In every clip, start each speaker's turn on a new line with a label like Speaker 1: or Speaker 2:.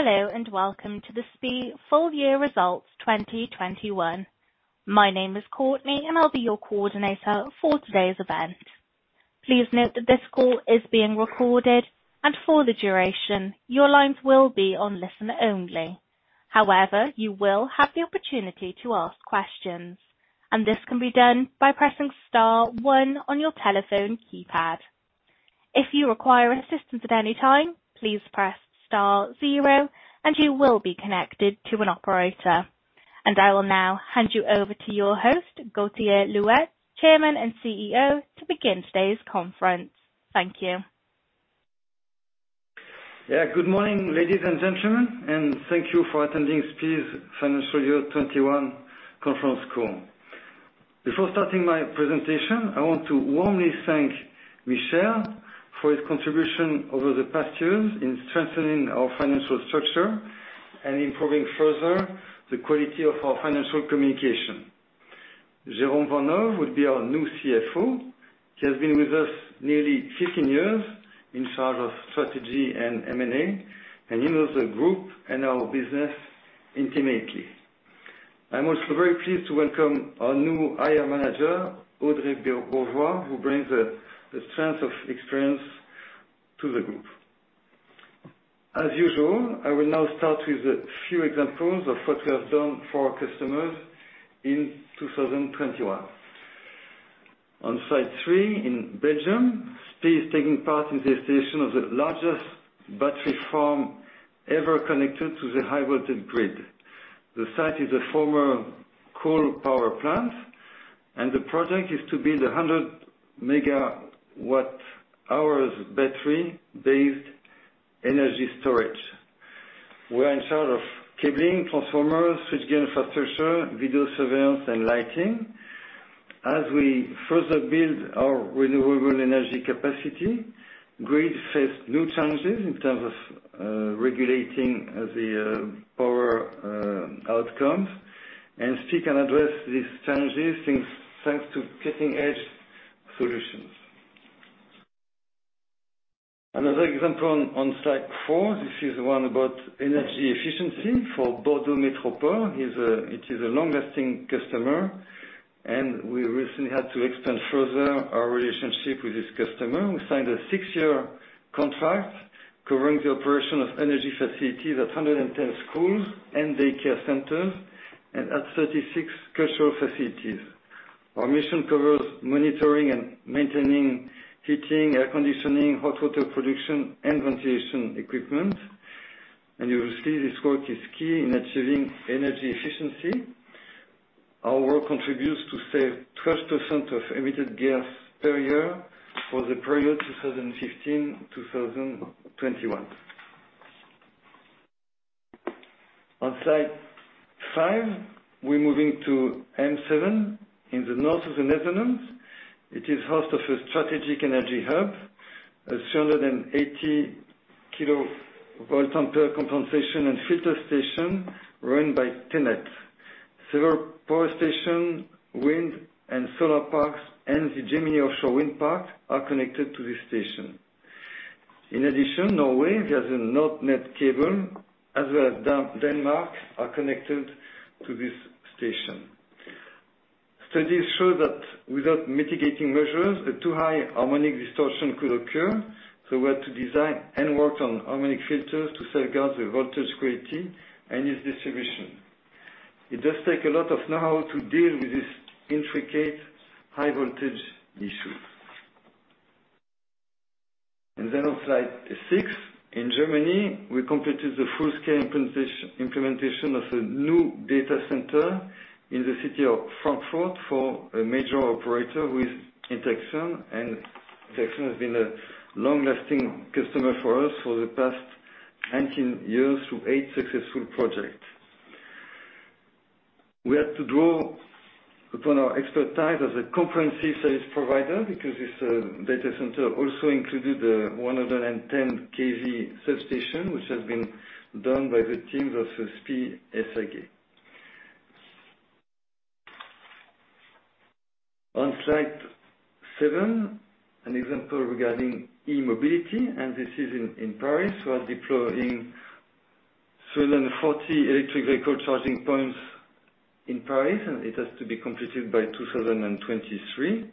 Speaker 1: Hello, and welcome to the SPIE Full Year Results 2021. My name is Courtney, and I'll be your coordinator for today's event. Please note that this call is being recorded, and for the duration, your lines will be on listen only. However, you will have the opportunity to ask questions, and this can be done by pressing star one on your telephone keypad. If you require assistance at any time, please press star zero, and you will be connected to an operator. I will now hand you over to your host, Gauthier Louette, Chairman and CEO, to begin today's conference. Thank you.
Speaker 2: Yeah. Good morning, ladies and gentlemen, and thank you for attending SPIE's Financial Year 2021 Conference Call. Before starting my presentation, I want to warmly thank Michel for his contribution over the past years in strengthening our financial structure and improving further the quality of our financial communication. Jérôme Vanhove will be our new CFO. He has been with us nearly 15 years in charge of strategy and M&A, and he knows the group and our business intimately. I'm also very pleased to welcome our new IR manager, Audrey Bourgeois, who brings a strength of experience to the group. As usual, I will now start with a few examples of what we have done for our customers in 2021. On slide three in Belgium, SPIE is taking part in the installation of the largest battery farm ever connected to the high-voltage grid. The site is a former coal power plant, and the project is to build a 100 MWh battery-based energy storage. We are in charge of cabling, transformers, switchgear infrastructure, video surveillance, and lighting. As we further build our renewable energy capacity, grids face new challenges in terms of regulating the power outcomes, and SPIE can address these challenges, thanks to cutting-edge solutions. Another example on slide four. This is one about energy efficiency for Bordeaux Métropole. It is a long-lasting customer, and we recently had to extend further our relationship with this customer. We signed a six-year contract covering the operation of energy facilities at 110 schools and daycare centers and at 36 cultural facilities. Our mission covers monitoring and maintaining heating, air conditioning, hot water production, and ventilation equipment. You will see this work is key in achieving energy efficiency. Our work contributes to save 12% of emitted gas per year for the period 2015-2021. On slide five, we're moving to Eemshaven in the north of the Netherlands. It is host of a strategic energy hub, a 380 kV compensation and filter station run by TenneT. Several power stations, wind and solar parks, and the Gemini offshore wind park are connected to this station. In addition, Norway's NorNed cable, as well as Denmark, are connected to this station. Studies show that without mitigating measures, too high harmonic distortion could occur, so we had to design and work on harmonic filters to safeguard the voltage quality and its distribution. It does take a lot of know-how to deal with this intricate high voltage issue. On slide six, in Germany, we completed the full-scale implementation of a new data center in the city of Frankfurt for a major operator with Interxion, and Interxion has been a long-lasting customer for us for the past 19 years through eight successful projects. We had to draw upon our expertise as a comprehensive service provider because this data center also included a 110 kV substation, which has been done by the teams of SPIE SAG. On slide seven, an example regarding e-mobility, and this is in Paris. We are deploying 340 electric vehicle charging points in Paris, and it has to be completed by 2023.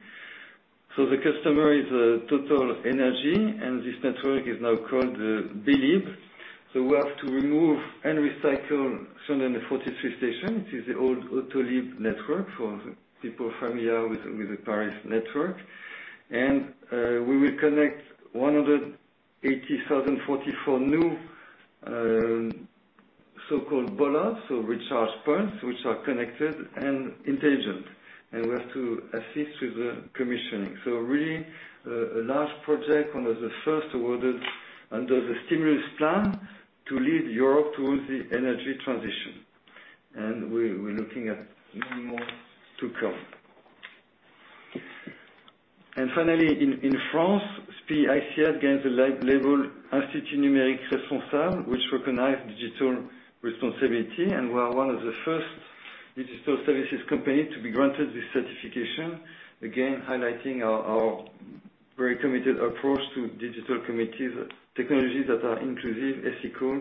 Speaker 2: The customer is TotalEnergies, and this network is now called Bélib'. We have to remove and recycle 343 stations. It is the old Autolib' network for people familiar with the Paris network. We will connect 180,044 new so-called bollards, so recharge points, which are connected and intelligent, and we have to assist with the commissioning. Really, a large project, one of the first awarded under the stimulus plan to lead Europe towards the energy transition. We're looking at many more to come. Finally, in France, SPIE ICS gained the label Institut du Numérique Responsable, which recognize digital responsibility, and we are one of the first digital services company to be granted this certification, again highlighting our very committed approach to digital commitments, technologies that are inclusive, ethical,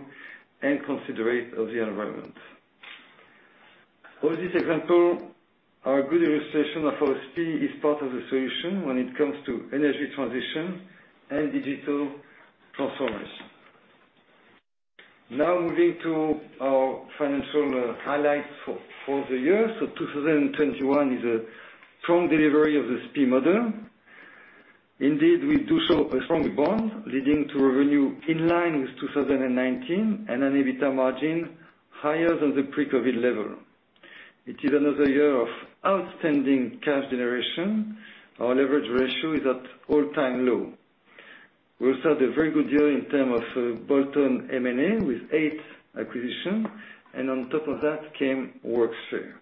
Speaker 2: and considerate of the environment. All these examples are a good illustration of how SPIE is part of the solution when it comes to energy transition and digital transformation. Now moving to our financial highlights for the year. 2021 is a strong delivery of the SPIE model. Indeed, we do show a strong rebound leading to revenue in line with 2019, and an EBITDA margin higher than the pre-COVID level. It is another year of outstanding cash generation. Our leverage ratio is at all-time low. We also had a very good year in terms of bolt-on M&A with eight acquisitions, and on top of that came Worksphere.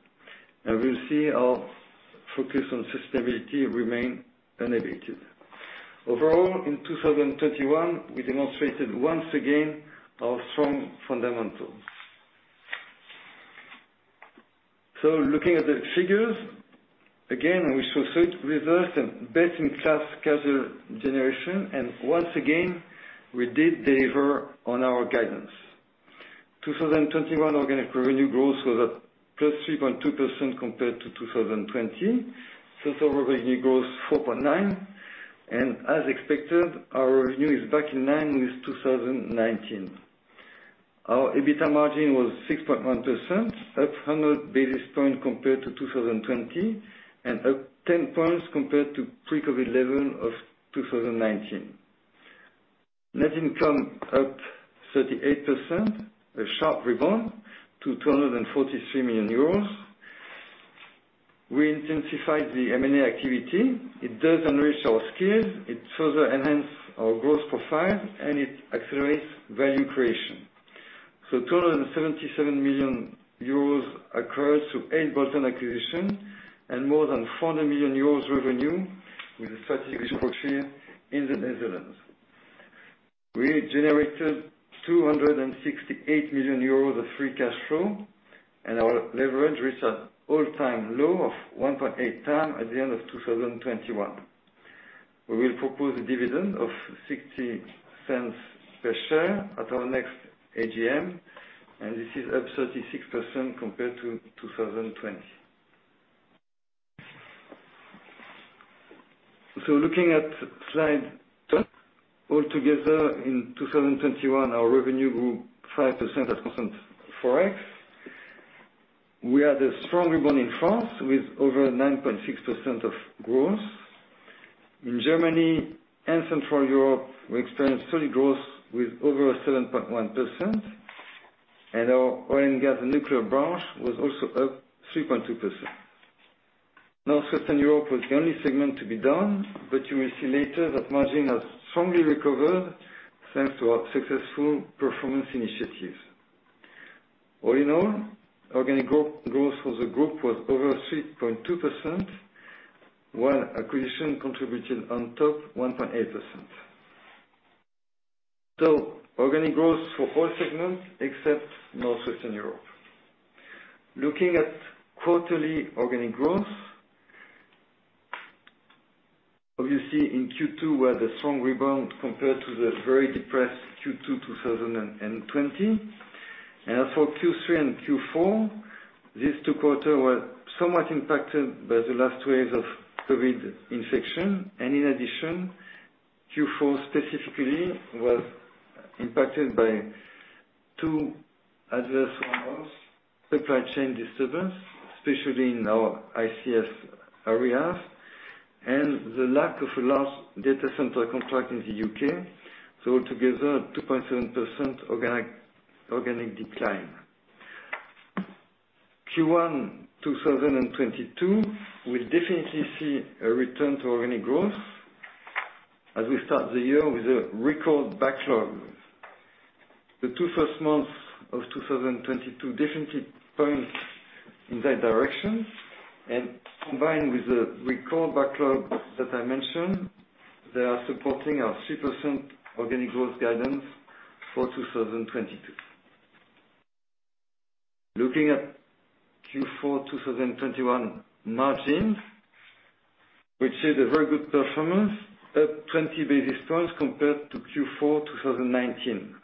Speaker 2: We see our focus on sustainability remain unabated. Overall, in 2021, we demonstrated once again our strong fundamentals. Looking at the figures, again, we saw solid results and best-in-class cash generation, and once again, we did deliver on our guidance. 2021 organic revenue growth was at +3.2% compared to 2020. Total revenue grew 4.9%, and as expected, our revenue is back in line with 2019. Our EBITDA margin was 6.1%, up 100 basis points compared to 2020, and up 10 points compared to pre-COVID level of 2019. Net income up 38%, a sharp rebound to 243 million euros. We intensified the M&A activity. It does enrich our skills, it further enhance our growth profile, and it accelerates value creation. 277 million euros occurred through eight bolt-on acquisitions and more than 400 million euros revenue with a strategic portfolio in the Netherlands. We generated 268 million euros of free cash flow, and our leverage reached an all-time low of 1.8x at the end of 2021. We will propose a dividend of 0.60 per share at our next AGM, and this is up 36% compared to 2020. Looking at slide two, all together in 2021, our revenue grew 5% at constant ForEx. We had a strong rebound in France with over 9.6% of growth. In Germany and Central Europe, we experienced steady growth with over 7.1%, and our oil and gas and nuclear branch was also up 3.2%. Western Europe was the only segment to be down, but you will see later that margin has strongly recovered thanks to our successful performance initiatives. All in all, organic growth for the group was over 3.2%, while acquisition contributed on top 1.8%. Organic growth for all segments except Northwestern Europe. Looking at quarterly organic growth, obviously in Q2 we had a strong rebound compared to the very depressed Q2 2020. As for Q3 and Q4, these two quarters were somewhat impacted by the last waves of COVID infection. In addition, Q4 specifically was impacted by two adverse headwinds, supply chain disturbance, especially in our ICS areas, and the lack of a large data center contract in the U.K., so altogether 2.7% organic decline. Q1 2022 will definitely see a return to organic growth as we start the year with a record backlog. The first two months of 2022 definitely point in that direction, and combined with the record backlog that I mentioned, they are supporting our 3% organic growth guidance for 2022. Looking at Q4 2021 margins, we achieved a very good performance, up 20 basis points compared to Q4 2019.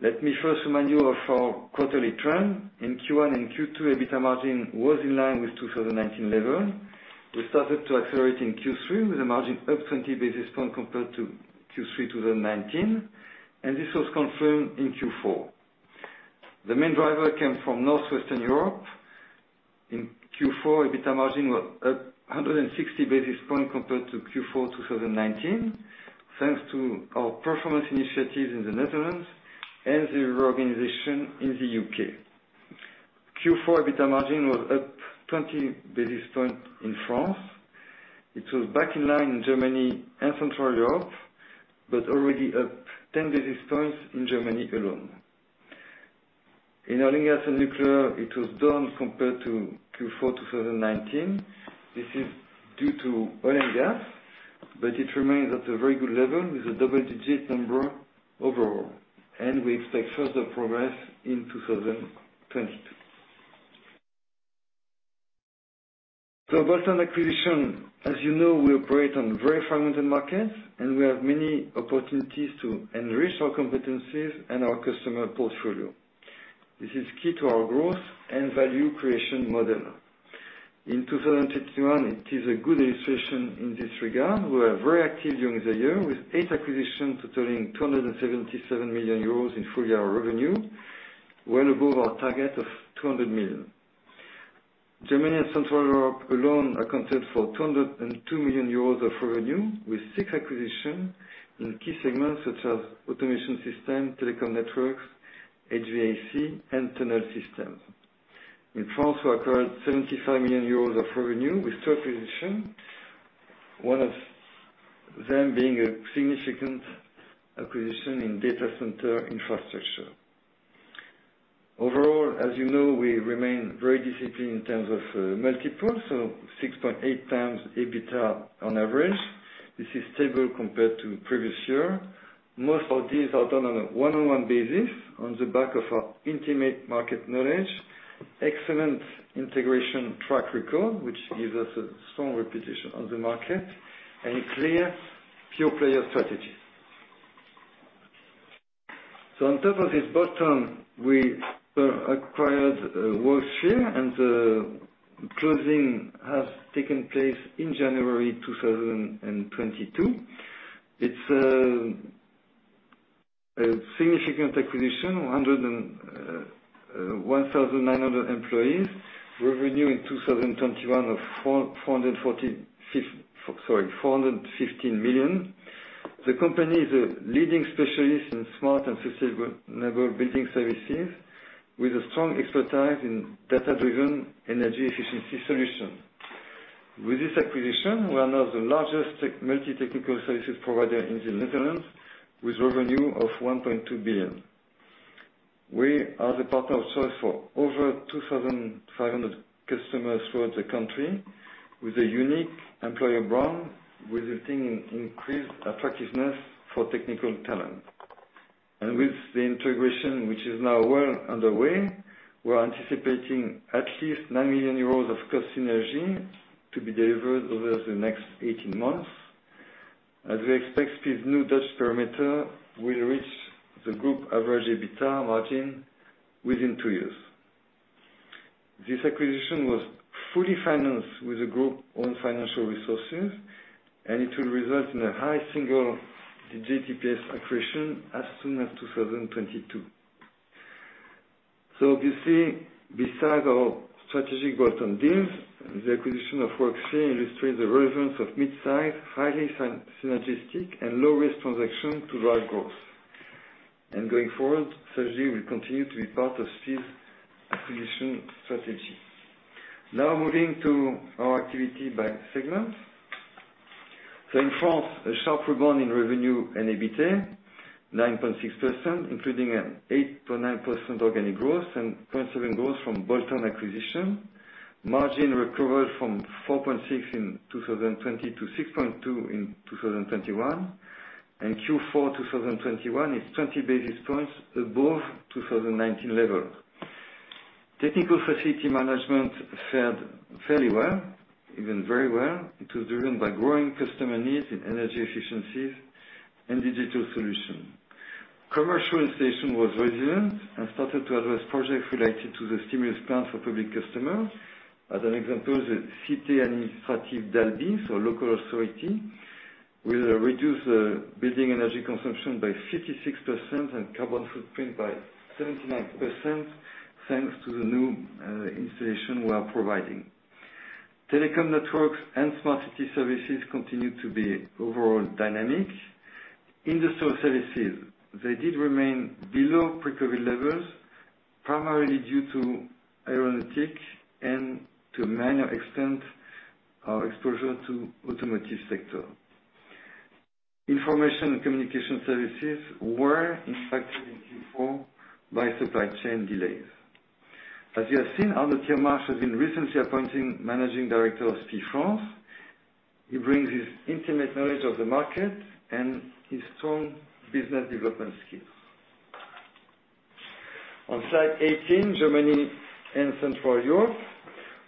Speaker 2: Let me first remind you of our quarterly trend. In Q1 and Q2, EBITDA margin was in line with 2019 level. We started to accelerate in Q3 with a margin up 20 basis points compared to Q3 2019, and this was confirmed in Q4. The main driver came from Northwestern Europe. In Q4, EBITDA margin was up 160 basis points compared to Q4 2019, thanks to our performance initiatives in the Netherlands and the reorganization in the U.K. Q4 EBITDA margin was up 20 basis points in France. It was back in line in Germany and Central Europe, but already up 10 basis points in Germany alone. In oil and gas and nuclear, it was down compared to Q4 2019. This is due to oil and gas. But it remains at a very good level with a double-digit number overall, and we expect further progress in 2022. Based on acquisition, as you know, we operate on very fragmented markets, and we have many opportunities to enrich our competencies and our customer portfolio. This is key to our growth and value creation model. In 2021, it is a good illustration in this regard. We are very active during the year with eight acquisitions totaling 277 million euros in full year revenue, well above our target of 200 million. Germany and Central Europe alone accounted for 202 million euros of revenue, with six acquisitions in key segments such as automation system, telecom networks, HVAC and tunnel systems. In France, we acquired 75 million euros of revenue with two acquisitions, one of them being a significant acquisition in data center infrastructure. Overall, as you know, we remain very disciplined in terms of multiples. 6-point 8x EBITDA on average. This is stable compared to previous year. Most of these are done on a one-on-one basis on the back of our intimate market knowledge, excellent integration track record, which gives us a strong reputation on the market, and a clear pure player strategy. On top of this bolt-on, we acquired Worksphere, and the closing has taken place in January 2022. It's a significant acquisition, 1,900 employees. Revenue in 2021 of 415 million. The company is a leading specialist in smart and sustainable building services, with a strong expertise in data-driven energy efficiency solution. With this acquisition, we are now the largest multi-technical services provider in the Netherlands, with revenue of 1.2 billion. We are the partner of choice for over 2,500 customers throughout the country, with a unique employer brand, resulting in increased attractiveness for technical talent. With the integration, which is now well underway, we're anticipating at least 9 million euros of cost synergy to be delivered over the next 18 months. As we expect this new Dutch perimeter will reach the group average EBITDA margin within two years. This acquisition was fully financed with the group's own financial resources, and it will result in a high single-digit EPS accretion as soon as 2022. You see, besides our strategic growth on deals, the acquisition of Worksphere illustrates the relevance of mid-size, highly synergistic and low-risk transaction to drive growth. Going forward, such deal will continue to be part of this acquisition strategy. Now moving to our activity by segment. In France, a sharp rebound in revenue and EBITA, 9.6%, including an 8.9% organic growth and 0.7% growth from bolt-on acquisition. Margin recovered from 4.6% in 2020 to 6.2% in 2021. Q4 2021 is 20 basis points above 2019 level. Technical facility management fared fairly well, even very well. It was driven by growing customer needs in energy efficiencies and digital solution. Commercial Services was resilient and started to address projects related to the stimulus plans for public customers. As an example, the Cité Administrative d'Albi, so local authority, will reduce the building energy consumption by 56% and carbon footprint by 79%, thanks to the new installation we are providing. Telecom Networks and Smart City Services continue to be overall dynamic. Industrial Services, they did remain below pre-COVID levels, primarily due to aeronautics and to a minor extent, our exposure to automotive sector. Information and Communication Services were impacted in Q4 by supply chain delays. As you have seen, Arnaud Tirmarche has been recently appointed Managing Director of SPIE France. He brings his intimate knowledge of the market and his strong business development skills. On slide 18, Germany and Central Europe,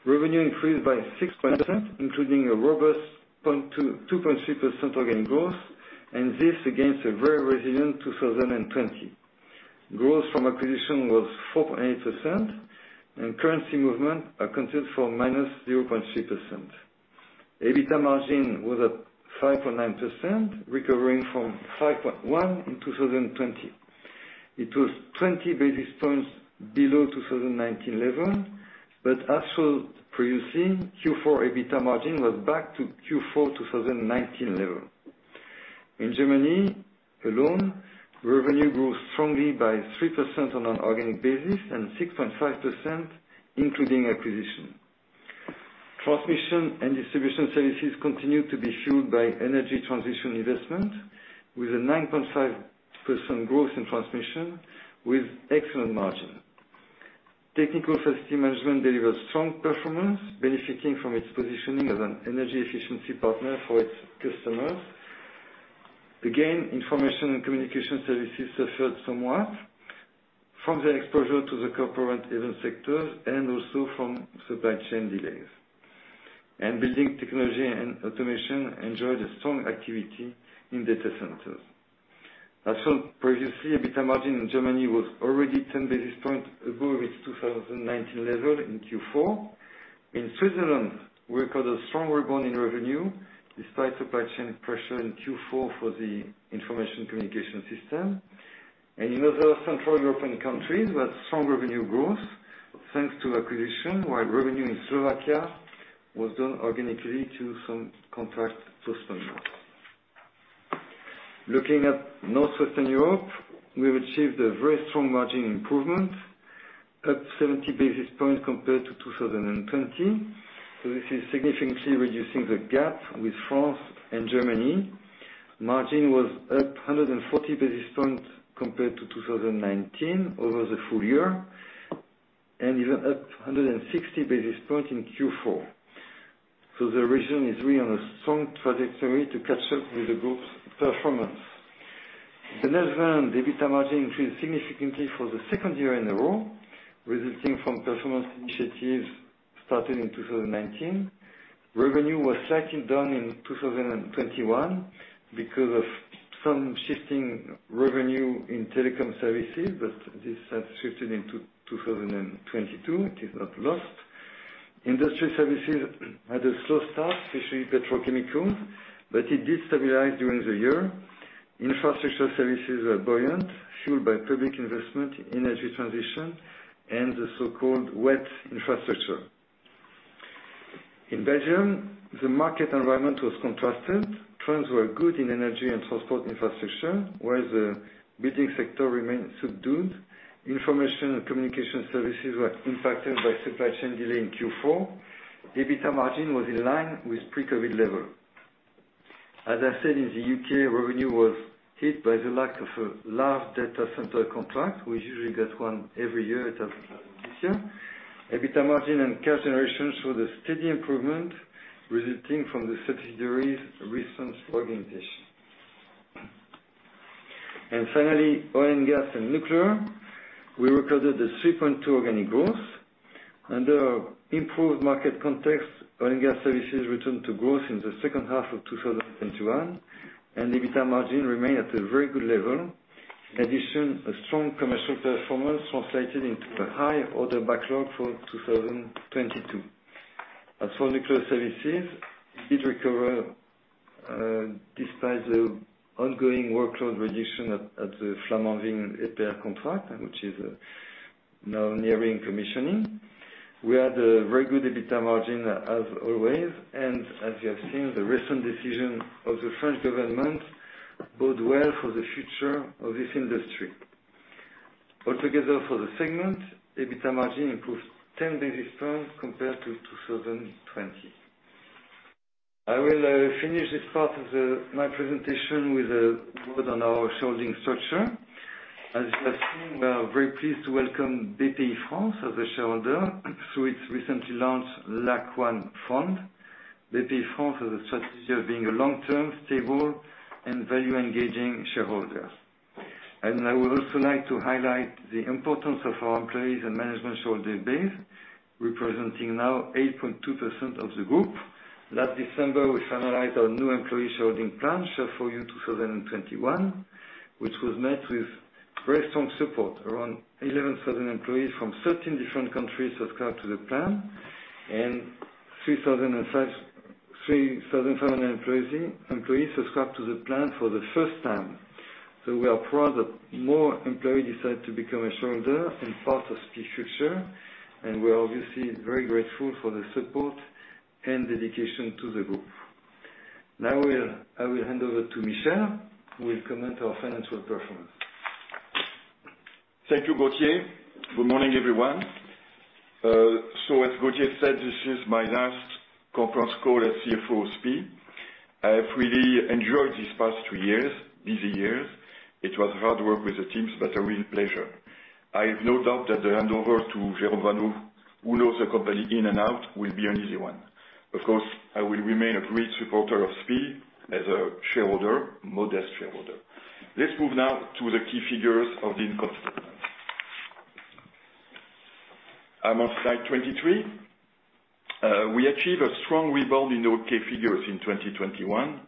Speaker 2: revenue increased by 6%, including a robust 2.3% organic growth, and this against a very resilient 2020. Growth from acquisition was 4.8%, and currency movement accounted for -0.3%. EBITDA margin was at 5.9%, recovering from 5.1% in 2020. It was 20 basis points below 2019 level, but as for producing, Q4 EBITDA margin was back to Q4 2019 level. In Germany alone, revenue grew strongly by 3% on an organic basis and 6.5% including acquisition. Transmission and Distribution Services continued to be fueled by energy transition investment, with a 9.5% growth in transmission, with excellent margin. Technical facility management delivered strong performance, benefiting from its positioning as an energy efficiency partner for its customers. Again, Information and Communication Services suffered somewhat from the exposure to the corporate event sectors and also from supply chain delays. Building technology and automation enjoyed a strong activity in data centers. As shown previously, EBITDA margin in Germany was already 10 basis points above its 2019 level in Q4. In Switzerland, we recorded a strong rebound in revenue despite supply chain pressure in Q4 for the information communication system. In other Central European countries, we had strong revenue growth thanks to acquisition, while revenue in Slovakia was down organically due to some contract postponements. Looking at Northwestern Europe, we have achieved a very strong margin improvement, up 70 basis points compared to 2020. This is significantly reducing the gap with France and Germany. Margin was up 140 basis points compared to 2019 over the full year, and even up 160 basis points in Q4. The region is really on a strong trajectory to catch up with the group's performance. In the Netherlands, the EBITDA margin increased significantly for the second year in a row, resulting from performance initiatives started in 2019. Revenue was slightly down in 2021 because of some shifting revenue in Telecom Services, but this has shifted into 2022. It is not lost. Industry Services had a slow start, especially petrochemical, but it did stabilize during the year. Infrastructure Services are buoyant, fueled by public investment in energy transition and the so-called wet infrastructure. In Belgium, the market environment was contrasted. Trends were good in energy and transport infrastructure, whereas the building sector remained subdued. Information and Communication Services were impacted by supply chain delay in Q4. EBITDA margin was in line with pre-COVID level. As I said, in the U.K., revenue was hit by the lack of a large data center contract. We usually get one every year, except this year. EBITDA margin and cash generations saw the steady improvement resulting from the subsidiary's recent organization. Finally, Oil and Gas and Nuclear. We recorded a 3.2% organic growth. Under improved market context, Oil and Gas Services returned to growth in the second half of 2021, and EBITDA margin remained at a very good level. In addition, a strong commercial performance translated into a high order backlog for 2022. As for Nuclear Services, it did recover despite the ongoing workload reduction at the Flamanville EPR contract, which is now nearing commissioning. We had a very good EBITDA margin, as always, and as you have seen, the recent decision of the French government bode well for the future of this industry. Altogether for the segment, EBITDA margin improved 10 basis points compared to 2020. I will finish this part of my presentation with a word on our shareholding structure. As you have seen, we are very pleased to welcome Bpifrance as a shareholder through its recently launched Lac1 fund. Bpifrance has a strategy of being a long-term, stable, and value-engaging shareholder. I would also like to highlight the importance of our employees and management shareholder base, representing now 8.2% of the group. Last December, we finalized our new employee sharing plan, Share For You 2021, which was met with very strong support. Around 11,000 employees from 13 different countries subscribed to the plan, and 3,500 employees subscribed to the plan for the first time. We are proud that more employees decide to become a shareholder and part of SPIE future, and we are obviously very grateful for the support and dedication to the group. I will hand over to Michel, who will comment on our financial performance.
Speaker 3: Thank you, Gauthier. Good morning, everyone. As Gauthier said, this is my last conference call as CFO of SPIE. I have really enjoyed these past two years, busy years. It was hard work with the teams, but a real pleasure. I have no doubt that the handover to Jérôme Vanhove, who knows the company in and out, will be an easy one. Of course, I will remain a great supporter of SPIE as a shareholder, modest shareholder. Let's move now to the key figures of the income statement. I'm on slide 23. We achieved a strong rebound in our key figures in 2021.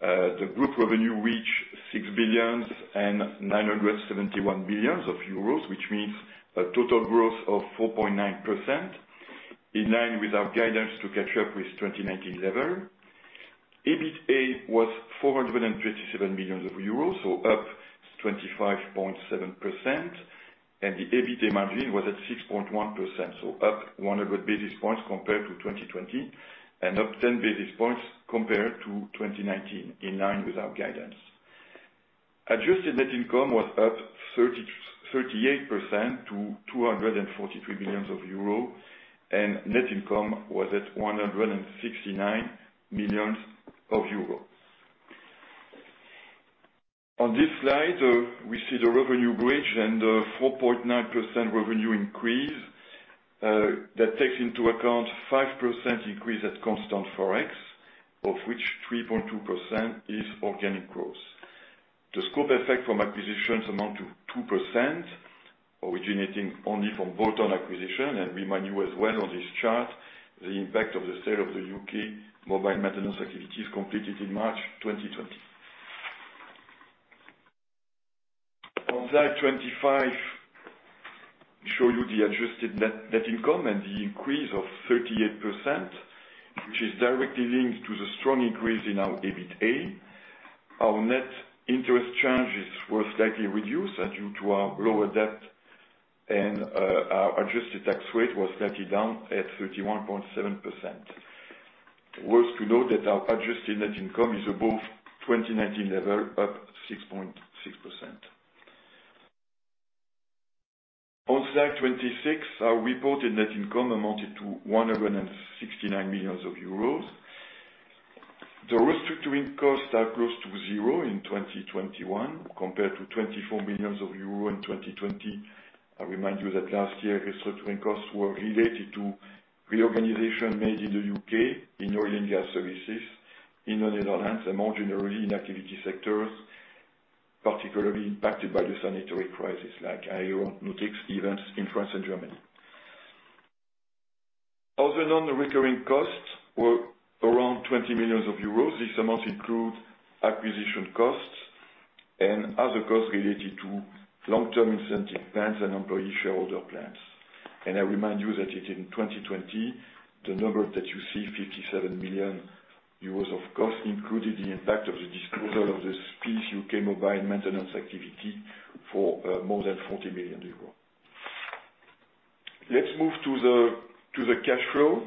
Speaker 3: The group revenue reached 6 billion and 971 million euros, which means a total growth of 4.9%, in line with our guidance to catch up with 2019 level. EBITA was EUR 437 million, up 25.7%, and the EBITA margin was at 6.1%, up 100 basis points compared to 2020 and up 10 basis points compared to 2019, in line with our guidance. Adjusted net income was up 38% to 243 million euro, and net income was at 169 million euro. On this slide, we see the revenue bridge and 4.9% revenue increase that takes into account 5% increase at constant ForEx, of which 3.2% is organic growth. The scope effect from acquisitions amount to 2% originating only from bolt-on acquisition, and we remind you as well on this chart, the impact of the sale of the U.K. mobile maintenance activity is completed in March 2020. On slide 25, show you the adjusted net income and the increase of 38%, which is directly linked to the strong increase in our EBITA. Our net interest charges were slightly reduced as due to our lower debt and, our adjusted tax rate was slightly down at 31.7%. Worth to note that our adjusted net income is above 2019 level, up 6.6%. On slide 26, our reported net income amounted to 169 million euros. The restructuring costs are close to zero in 2021 compared to 24 million euro in 2020. I remind you that last year, restructuring costs were related to reorganization made in the U.K., in Oil and Gas Services, in the Netherlands, and more generally in activity sectors particularly impacted by the sanitary crisis, like aeronautics, logistics, events in France and Germany. Other non-recurring costs were around 20 million euros. This amount includes acquisition costs and other costs related to long-term incentive plans and employee shareholder plans. I remind you that it in 2020, the number that you see, 57 million euros of cost, included the impact of the disposal of the U.K. mobile maintenance activity for more than 40 million euros. Let's move to the cash flow.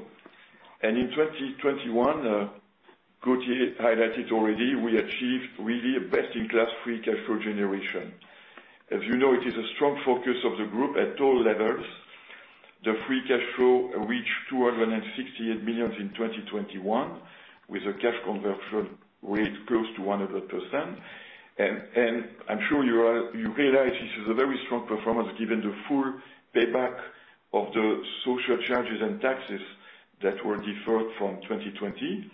Speaker 3: In 2021, Gauthier highlighted already, we achieved really a best-in-class free cash flow generation. As you know, it is a strong focus of the group at all levels. The free cash flow reached 268 million in 2021 with a cash conversion rate close to 100%. I'm sure you realize this is a very strong performance given the full payback of the social charges and taxes that were deferred from 2020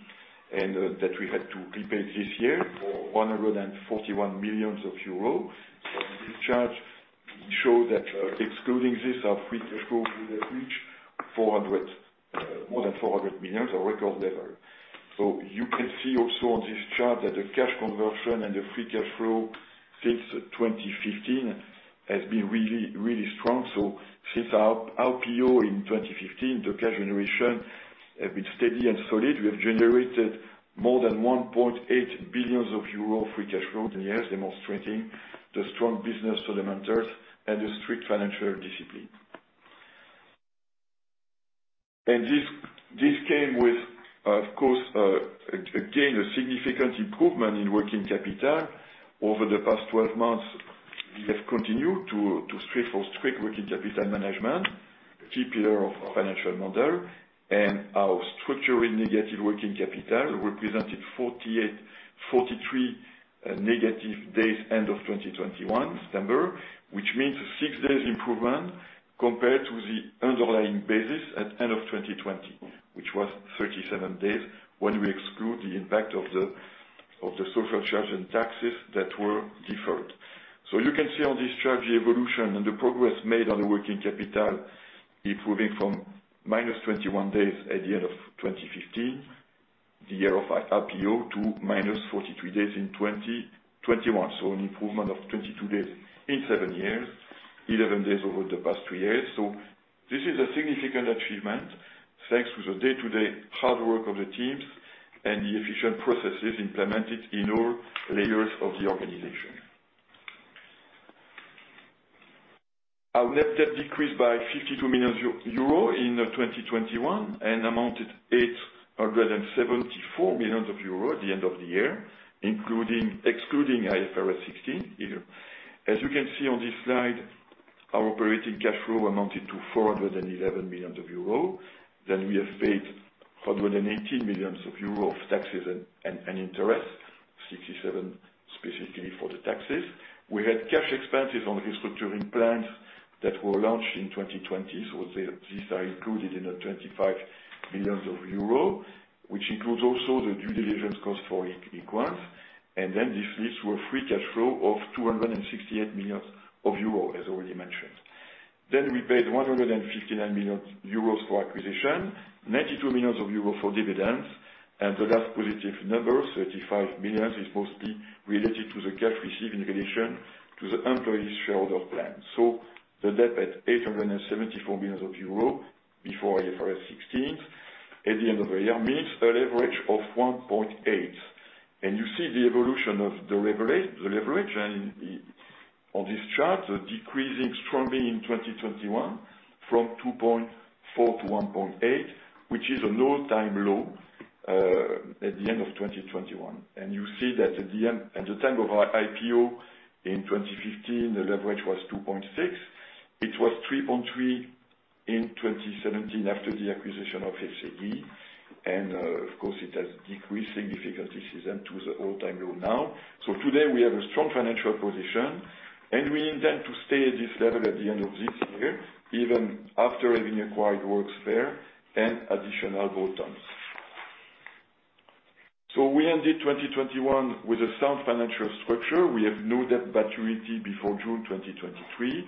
Speaker 3: and that we had to repay this year, 141 million euros. This chart shows that, excluding this, our free cash flow would have reached more than 400 million, a record level. You can see also on this chart that the cash conversion and the free cash flow since 2015 have been really strong. Since our IPO in 2015, the cash generation has been steady and solid. We have generated more than 1.8 billion euro of free cash flow in the years, demonstrating the strong business fundamentals and the strict financial discipline. This came with, of course, a significant improvement in working capital. Over the past 12 months, we have continued to strive for strict working capital management, key pillar of our financial model. Our structure in negative working capital represented 43 negative days end of 2021, December, which means six days improvement compared to the underlying basis at end of 2020, which was 37 days when we exclude the impact of the social charge and taxes that were deferred. You can see on this chart the evolution and the progress made on the working capital, improving from -21 days at the end of 2015, the year of our IPO, to -43 days in 2021. An improvement of 22 days in seven years, 11 days over the past two years. This is a significant achievement, thanks to the day-to-day hard work of the teams and the efficient processes implemented in all layers of the organization. Our net debt decreased by 52 million euro in 2021 and amounted to 874 million euro at the end of the year excluding IFRS 16 here. As you can see on this slide, our operating cash flow amounted to 411 million euro. We have paid 118 million euro of taxes and interest, 67 specifically for the taxes. We had cash expenses on restructuring plans that were launched in 2020, so these are included in the 25 billion euros, which includes also the due diligence cost for Equans. This leaves a free cash flow of 268 million euro, as already mentioned. We paid 159 million euros for acquisition, 92 million euros for dividends, and the last positive number, 35 million, is mostly related to the cash received in relation to the employees shareholder plan. The debt at 874 million euro before IFRS 16 at the end of the year means a leverage of 1.8 You see the evolution of the leverage and on this chart, decreasing strongly in 2021 from 2.4 to 1.8, which is an all-time low at the end of 2021. You see that at the time of our IPO in 2015, the leverage was 2.6. It was 3.3 in 2017 after the acquisition of SAG, and of course it has decreased significantly since then to the all-time low now. Today we have a strong financial position, and we intend to stay at this level at the end of this year, even after having acquired Worksphere and additional bolt-ons. We ended 2021 with a sound financial structure. We have no debt maturity before June 2023.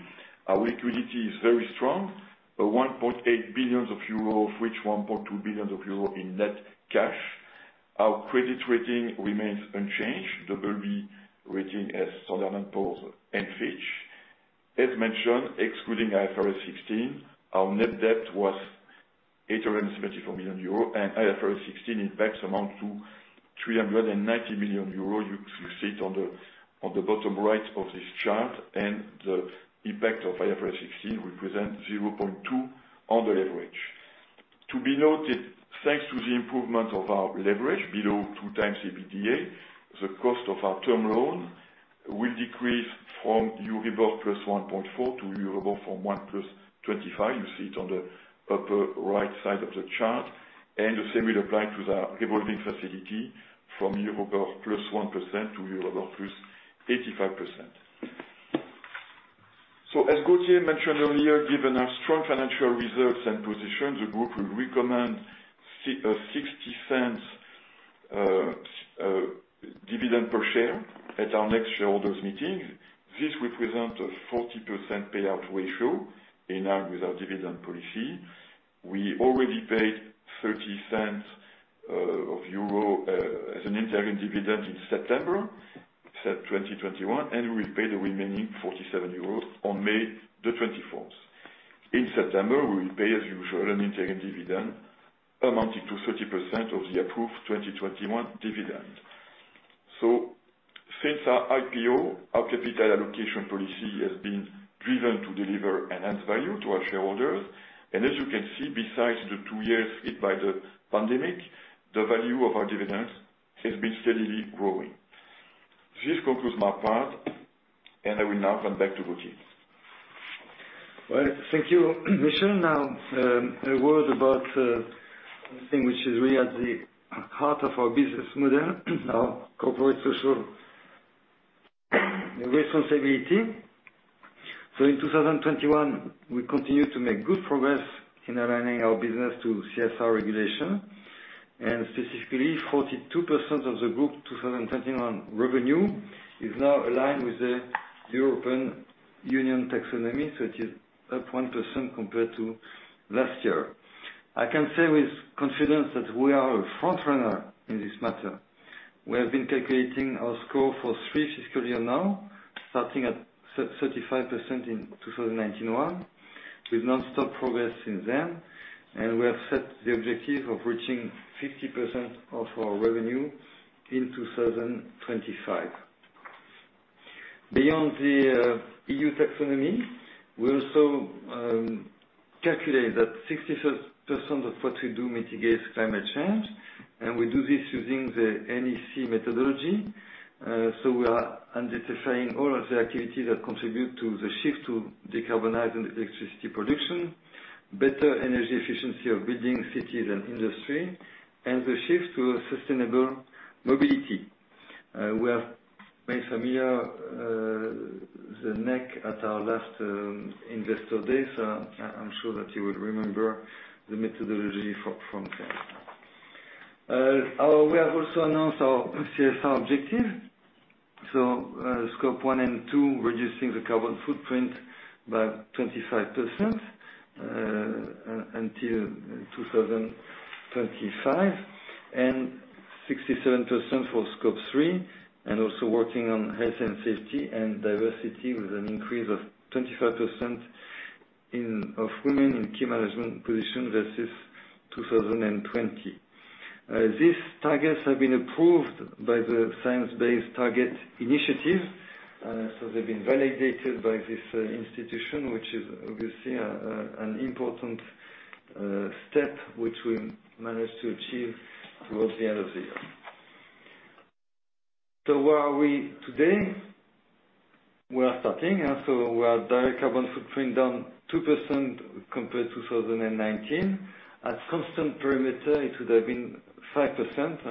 Speaker 3: Our liquidity is very strong, 1.8 billion euro, of which 1.2 billion euro in net cash. Our credit rating remains unchanged, BB rating from Standard & Poor's and Fitch. As mentioned, excluding IFRS 16, our net debt was 874 million euro and IFRS 16 impacts amount to 390 million euro. You see it on the bottom right of this chart, and the impact of IFRS 16 represent 0.2 on the leverage. To be noted, thanks to the improvement of our leverage below 2x EBITDA, the cost of our term loan will decrease from Euribor +1.4% to Euribor +1.25%. You see it on the upper right side of the chart. The same will apply to the revolving facility from Euribor +1% to Euribor +85%. As Gauthier mentioned earlier, given our strong financial reserves and position, the group will recommend EUR 0.60 dividend per share at our next shareholders meeting. This represents a 40% payout ratio in line with our dividend policy. We already paid 0.30 as an interim dividend in September 2021, and we will pay the remaining 0.47 euros on May 24th. In September, we will pay as usual an interim dividend amounting to 30% of the approved 2021 dividend. Since our IPO, our capital allocation policy has been driven to deliver enhanced value to our shareholders. As you can see, besides the two years hit by the pandemic, the value of our dividends has been steadily growing. This concludes my part, and I will now come back to Gauthier.
Speaker 2: All right. Thank you, Michel. Now, a word about something which is really at the heart of our business model, our corporate social responsibility. In 2021, we continued to make good progress in aligning our business to CSR regulation, and specifically 42% of the group 2021 revenue is now aligned with the European Union Taxonomy, so it is up 1% compared to last year. I can say with confidence that we are a front-runner in this matter. We have been calculating our score for three fiscal years now, starting at 35% in 2019, with nonstop progress since then. We have set the objective of reaching 50% of our revenue in 2025. Beyond the EU Taxonomy, we also calculate that 66% of what we do mitigates climate change, and we do this using the NEC methodology. We are identifying all of the activities that contribute to the shift to decarbonize and electricity production, better energy efficiency of building cities and industry, and the shift to a sustainable mobility. We have made the NEC familiar at our last Investor Day, so I'm sure that you will remember the methodology from there. We have also announced our CSR objective. Scope 1 and 2, reducing the carbon footprint by 25% until 2025, and 67% for Scope 3 and also working on health and safety and diversity with an increase of 25% of women in key management positions versus 2020. These targets have been approved by the Science Based Targets initiative, so they've been validated by this institution, which is an important step which we managed to achieve towards the end of the year. Where are we today? We are starting. Our direct carbon footprint down 2% compared to 2019. At constant perimeter, it would have been 5%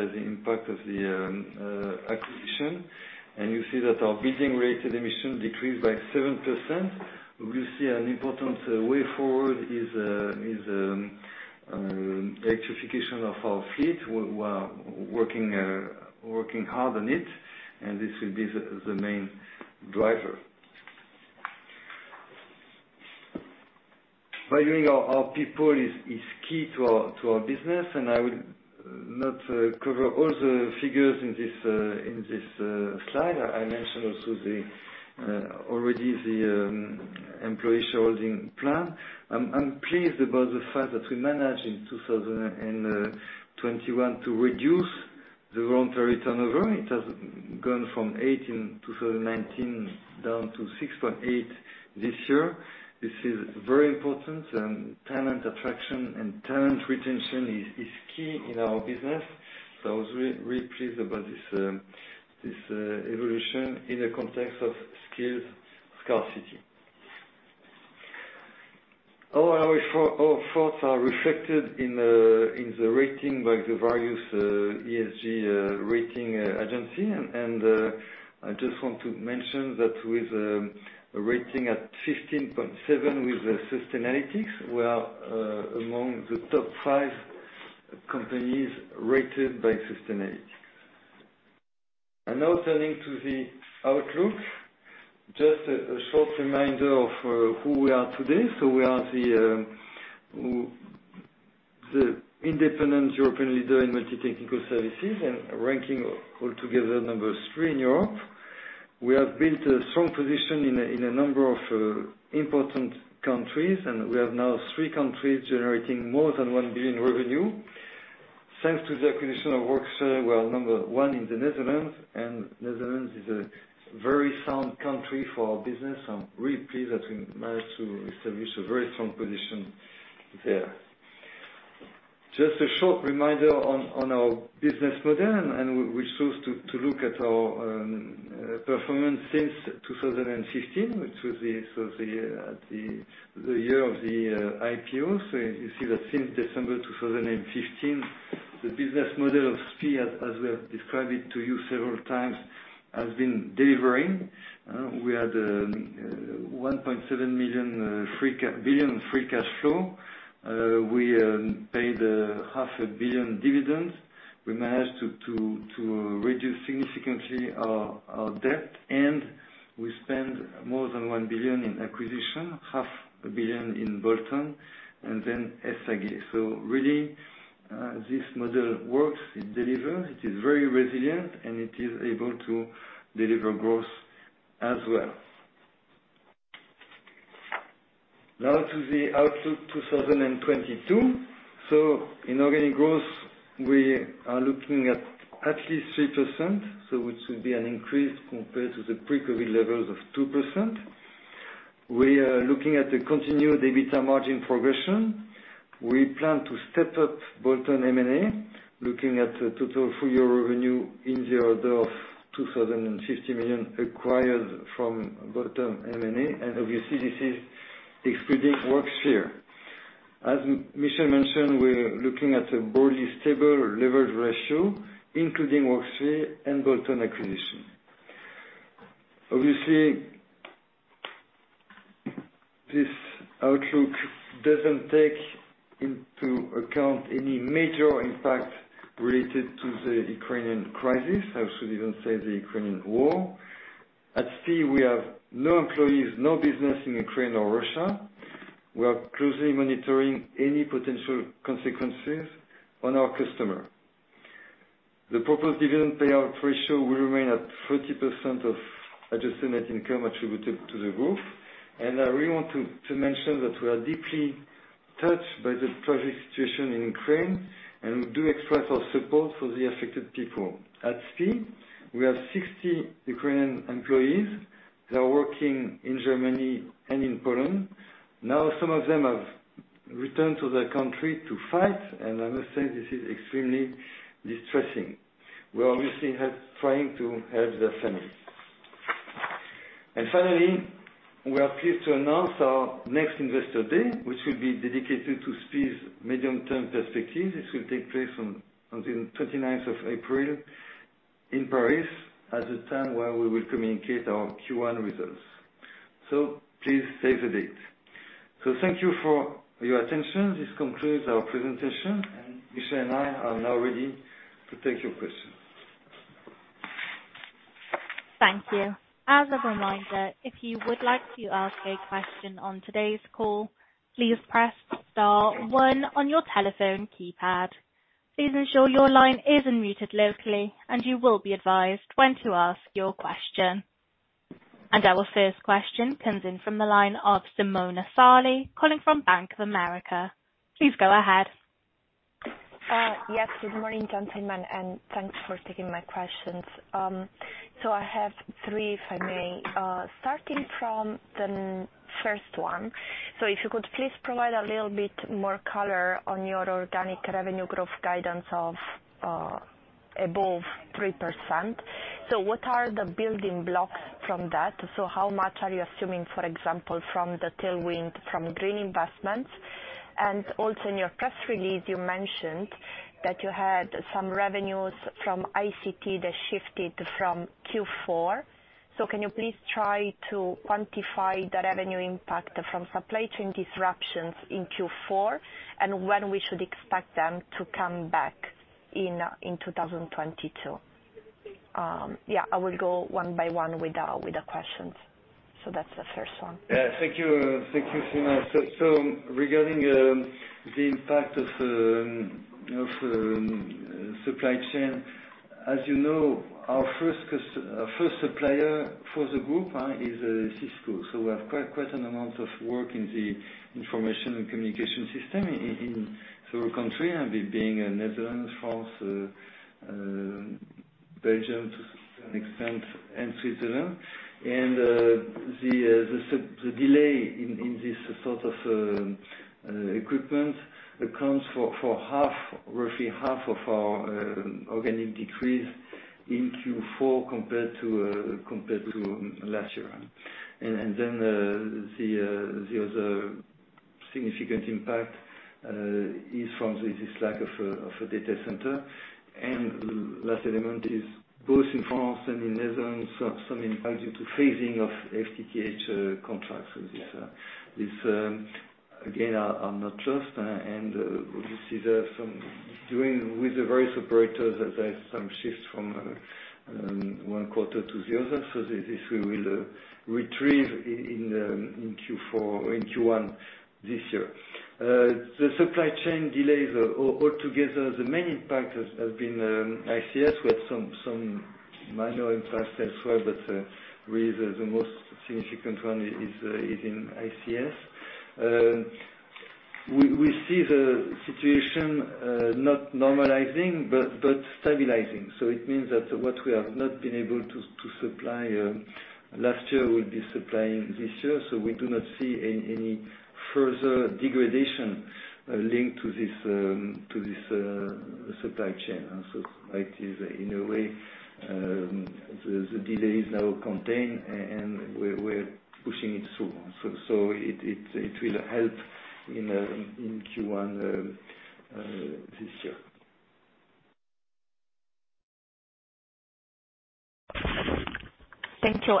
Speaker 2: as the impact of the acquisition. You see that our building-related emissions decreased by 7%. We see an important way forward is electrification of our fleet. We are working hard on it, and this will be the main driver. Valuing our people is key to our business. I will not cover all the figures in this slide. I mentioned already the employee shareholding plan. I'm pleased about the fact that we managed in 2021 to reduce the voluntary turnover. It has gone from 8% in 2019 down to 6.8% this year. This is very important, and talent attraction and talent retention is key in our business. I was really pleased about this evolution in the context of skills scarcity. All our thoughts are reflected in the rating by the various ESG rating agency. I just want to mention that with a rating at 15.7 with Sustainalytics, we are among the top 5 companies rated by Sustainalytics. Now turning to the outlook, just a short reminder of who we are today. We are the independent European leader in multi-technical services and ranking all together number 3 in Europe. We have built a strong position in a number of important countries, and we have now three countries generating more than 1 billion revenue. Thanks to the acquisition of Worksphere, we are number 1 in the Netherlands, and the Netherlands is a very sound country for our business. I'm really pleased that we managed to establish a very strong position there. Just a short reminder on our business model, and we choose to look at our performance since 2015, which was the year of the IPO. You see that since December 2015, the business model of SPIE, as we have described it to you several times, has been delivering. We had 1.7 billion free cash flow. We paid 0.5 billion dividends. We managed to reduce significantly our debt, and we spent more than 1 billion in acquisitions, 0.5 billion in bolt-ons and then SAG. Really, this model works, it delivers, it is very resilient, and it is able to deliver growth as well. Now to the outlook 2022. In organic growth, we are looking at least 3%, which will be an increase compared to the pre-COVID levels of 2%. We are looking at the continued EBITDA margin progression. We plan to step up bolt-on M&A, looking at a total full-year revenue in the order of 2,060 million acquired from bolt-on M&A, and obviously this is excluding Worksphere. As Michel mentioned, we're looking at a broadly stable leverage ratio, including Worksphere and bolt-on acquisition. Obviously, this outlook doesn't take into account any major impact related to the Ukrainian crisis. I should even say the Ukrainian war. At SPIE, we have no employees, no business in Ukraine or Russia. We are closely monitoring any potential consequences on our customer. The proposed dividend payout ratio will remain at 30% of adjusted net income attributed to the group. I really want to mention that we are deeply touched by the tragic situation in Ukraine, and we do express our support for the affected people. At SPIE, we have 60 Ukrainian employees that are working in Germany and in Poland. Now, some of them have returned to their country to fight, and I must say this is extremely distressing. We are obviously trying to help their families. Finally, we are pleased to announce our next Investor Day, which will be dedicated to SPIE's medium-term perspective, which will take place on the 29th of April in Paris, at the time where we will communicate our Q1 results. Please save the date. Thank you for your attention. This concludes our presentation, and Michel and I are now ready to take your questions.
Speaker 1: Thank you. As a reminder, if you would like to ask a question on today's call, please press star one on your telephone keypad. Please ensure your line is unmuted locally, and you will be advised when to ask your question. Our first question comes in from the line of Simona Sarli, calling from Bank of America. Please go ahead.
Speaker 4: Yes. Good morning, gentlemen, and thanks for taking my questions. I have three, if I may. Starting from the first one, if you could please provide a little bit more color on your organic revenue growth guidance of above 3%. What are the building blocks from that? How much are you assuming, for example, from the tailwind from green investments? And also in your press release, you mentioned that you had some revenues from ICT that shifted from Q4. Can you please try to quantify the revenue impact from supply chain disruptions in Q4, and when we should expect them to come back in 2022? I will go one by one with the questions. That's the first one.
Speaker 2: Yeah, thank you. Thank you, Simona. Regarding the impact of supply chain, as you know, our first supplier for the group is Cisco. We have quite an amount of work in the information and communication system in several country, and with being Netherlands, France, Belgium to a certain extent, and Switzerland. The delay in this sort of equipment accounts for roughly half of our organic decrease in Q4 compared to last year. Then the other significant impact is from this lack of a data center. Last element is both in France and the Netherlands, some impact due to phasing of FTTH contracts. These again are not just and you see there some doing with the various operators. There's some shifts from one quarter to the other. This we will retrieve in Q4 in Q1 this year. The supply chain delays altogether, the main impact has been ICS. We have some minor impacts elsewhere, but really the most significant one is in ICS. We see the situation not normalizing, but stabilizing. It means that what we have not been able to supply last year, we'll be supplying this year, so we do not see any further degradation linked to this supply chain. It is in a way the delay is now contained and we're pushing it through. It will help in Q1 this year.
Speaker 4: Thank you.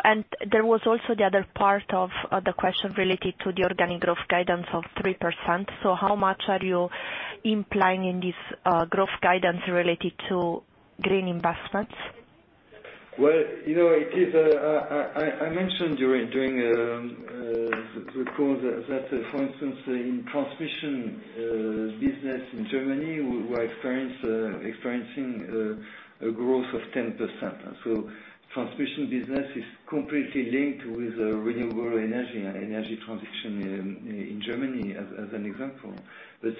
Speaker 4: There was also the other part of the question related to the organic growth guidance of 3%. How much are you implying in this growth guidance related to green investments?
Speaker 2: Well, you know, it is, I mentioned during the call that for instance, in transmission business in Germany, we are experiencing a growth of 10%. Transmission business is completely linked with renewable energy and energy transition in Germany as an example.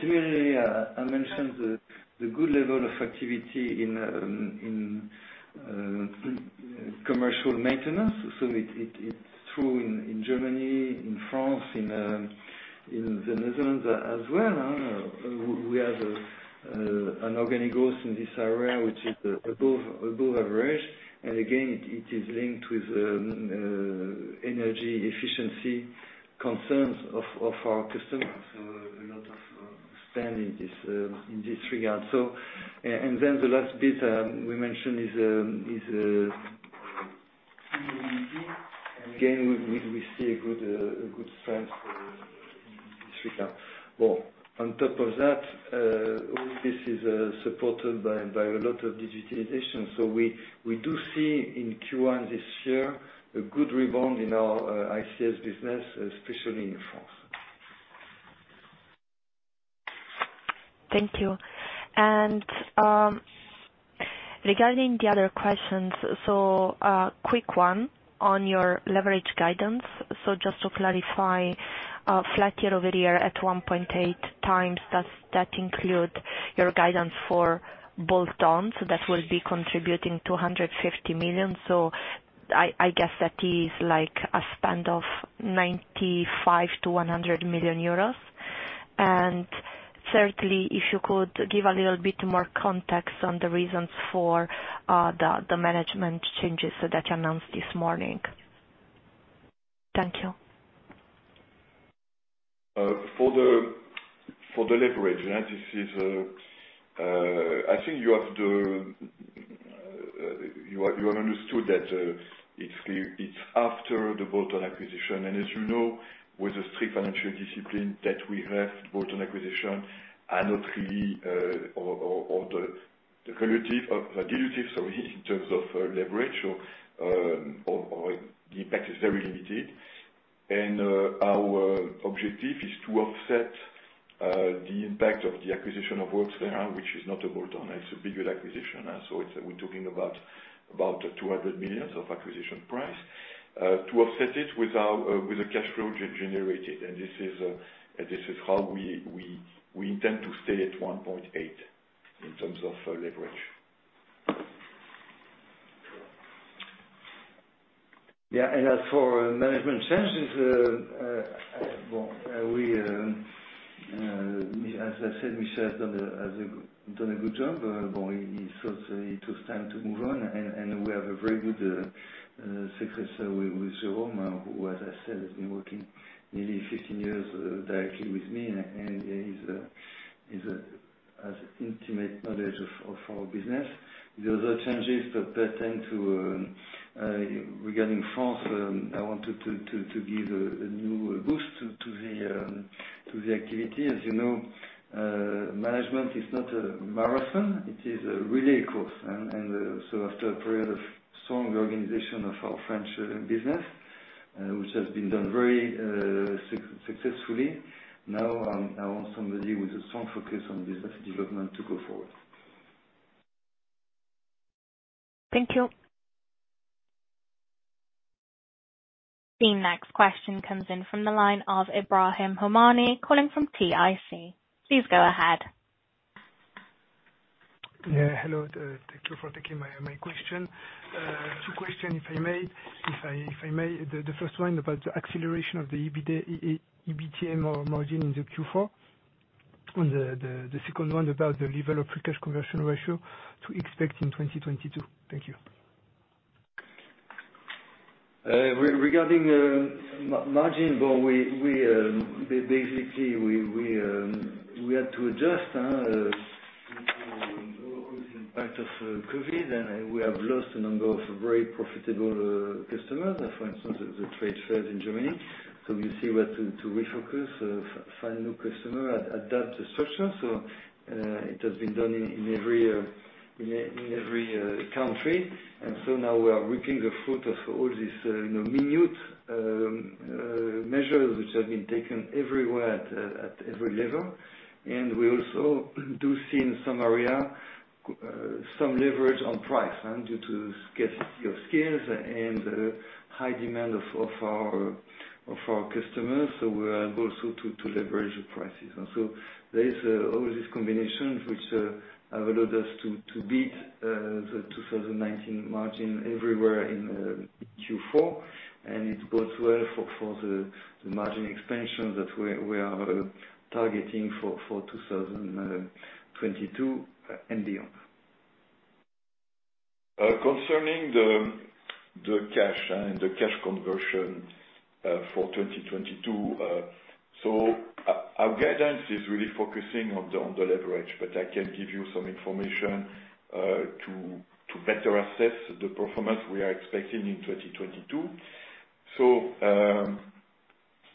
Speaker 2: Similarly, I mentioned the good level of activity in commercial maintenance. It's true in Germany, in France, in the Netherlands as well. We have an organic growth in this area, which is above average. Again, it is linked with energy efficiency concerns of our customers. A lot of spend in this regard. The last bit we mentioned is, again, we see a good sign for in this regard. Well, on top of that, all this is supported by a lot of digitalization. We do see in Q1 this year a good rebound in our ICS business, especially in France.
Speaker 4: Thank you. Regarding the other questions, a quick one on your leverage guidance. Just to clarify, flat year-over-year at 1.8x, does that include your guidance for bolt-ons that will be contributing 250 million? I guess that is like a spend of 95 million-100 million euros. Thirdly, if you could give a little bit more context on the reasons for the management changes that you announced this morning. Thank you.
Speaker 3: For the leverage, this is, I think you have understood that it's after the bolt-on acquisition. As you know, with the strict financial discipline that we have, bolt-on acquisition are not really, or, or the dilutive sorry, in terms of leverage or the impact is very limited. Our objective is to offset the impact of the acquisition of Worksphere, which is not a bolt-on, it's a bigger acquisition. We're talking about 200 million acquisition price to offset it with the cash flow generated. This is how we intend to stay at 1.8x in terms of leverage.
Speaker 2: Yeah. As for management changes, well, we, as I said, Michel has done a good job. Well, he thought it was time to move on and we have a very good successor with Jérôme, who, as I said, has been working nearly 15 years directly with me, and he's has intimate knowledge of our business. The other changes that pertain to regarding France, I wanted to give a new boost to the activity. As you know, management is not a marathon, it is a relay course. After a period of strong organization of our French business, which has been done very successfully, now I want somebody with a strong focus on business development to go forward.
Speaker 4: Thank you.
Speaker 1: The next question comes in from the line of Ebrahim Homani, calling from CIC. Please go ahead.
Speaker 5: Hello. Thank you for taking my question. Two questions if I may. The first one about the acceleration of the EBITDA margin in Q4. The second one about the level of free cash conversion ratio to expect in 2022. Thank you.
Speaker 2: Regarding margin, well, we basically had to adjust with the impact of COVID. We have lost a number of very profitable customers, for instance, the trade fairs in Germany. We see where to refocus, find new customer, adapt the structure. It has been done in every country. Now we are reaping the fruit of all this, you know, minute measures which have been taken everywhere at every level. We also do see in some area some leverage on price, and due to economies of scale and high demand of our customers. We are able to leverage the prices. There is all these combinations which have allowed us to beat the 2019 margin everywhere in Q4. It bodes well for the margin expansion that we are targeting for 2022 and beyond.
Speaker 3: Concerning the cash and the cash conversion for 2022, our guidance is really focusing on the leverage. I can give you some information to better assess the performance we are expecting in 2022.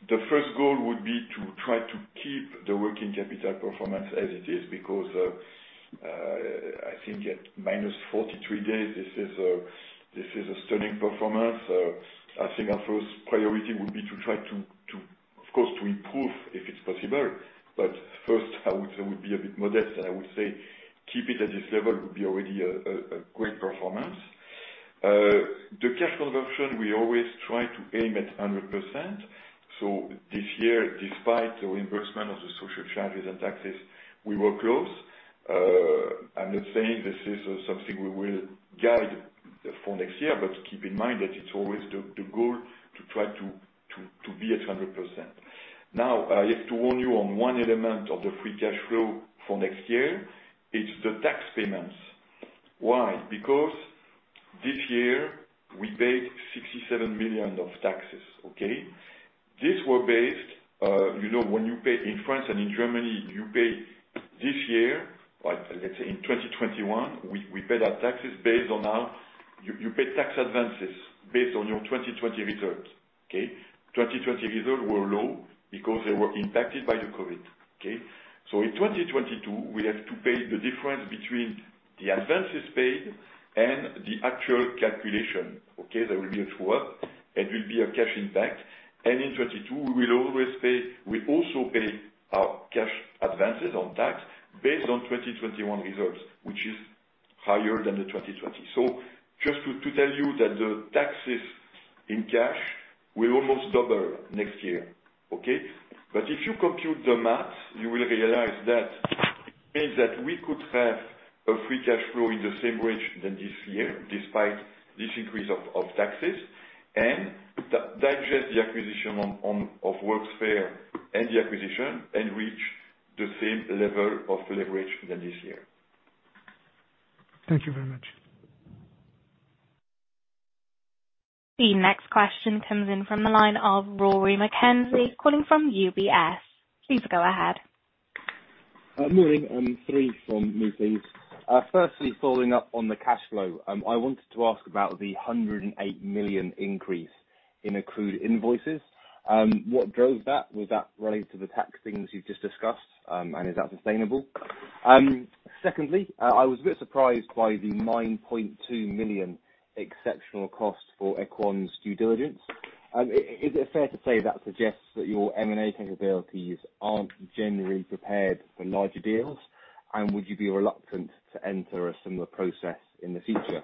Speaker 3: The first goal would be to try to keep the working capital performance as it is because I think at -43 days, this is a stunning performance. Our first priority would be to try to, of course, improve, if it's possible. First I would be a bit modest, and I would say keep it at this level would be already a great performance. The cash conversion, we always try to aim at 100%. So this year, despite the reimbursement of the social charges and taxes, we were close. I'm not saying this is something we will guide for next year, but keep in mind that it's always the goal to try to be at 100%. Now, I have to warn you on one element of the free cash flow for next year. It's the tax payments. Why? Because this year we paid 67 million of taxes. Okay, these were based, you know, when you pay in France and in Germany, you pay this year, like, let's say in 2021, we paid our taxes based on our... You pay tax advances based on your 2020 results. Okay? 2020 results were low because they were impacted by the COVID. Okay? In 2022 we have to pay the difference between the advances paid and the actual calculation. Okay? There will be a true-up and will be a cash impact. In 2022 we also pay our cash advances on tax based on 2021 results, which is higher than the 2020. Just to tell you that the taxes in cash will almost double next year, okay? If you compute the math, you will realize that it means that we could have a free cash flow in the same range than this year, despite this increase of taxes, and digest the acquisition of Worksphere and the acquisition, and reach the same level of leverage than this year.
Speaker 5: Thank you very much.
Speaker 1: The next question comes in from the line of Rory McKenzie, calling from UBS. Please go ahead.
Speaker 6: Good morning, three from me, please. Firstly, following up on the cash flow, I wanted to ask about the 108 million increase in accrued invoices. What drove that? Was that related to the tax things you've just discussed? And is that sustainable? Secondly, I was a bit surprised by the 9.2 million exceptional cost for Equans due diligence. Is it fair to say that suggests that your M&A capabilities aren't generally prepared for larger deals? Would you be reluctant to enter a similar process in the future?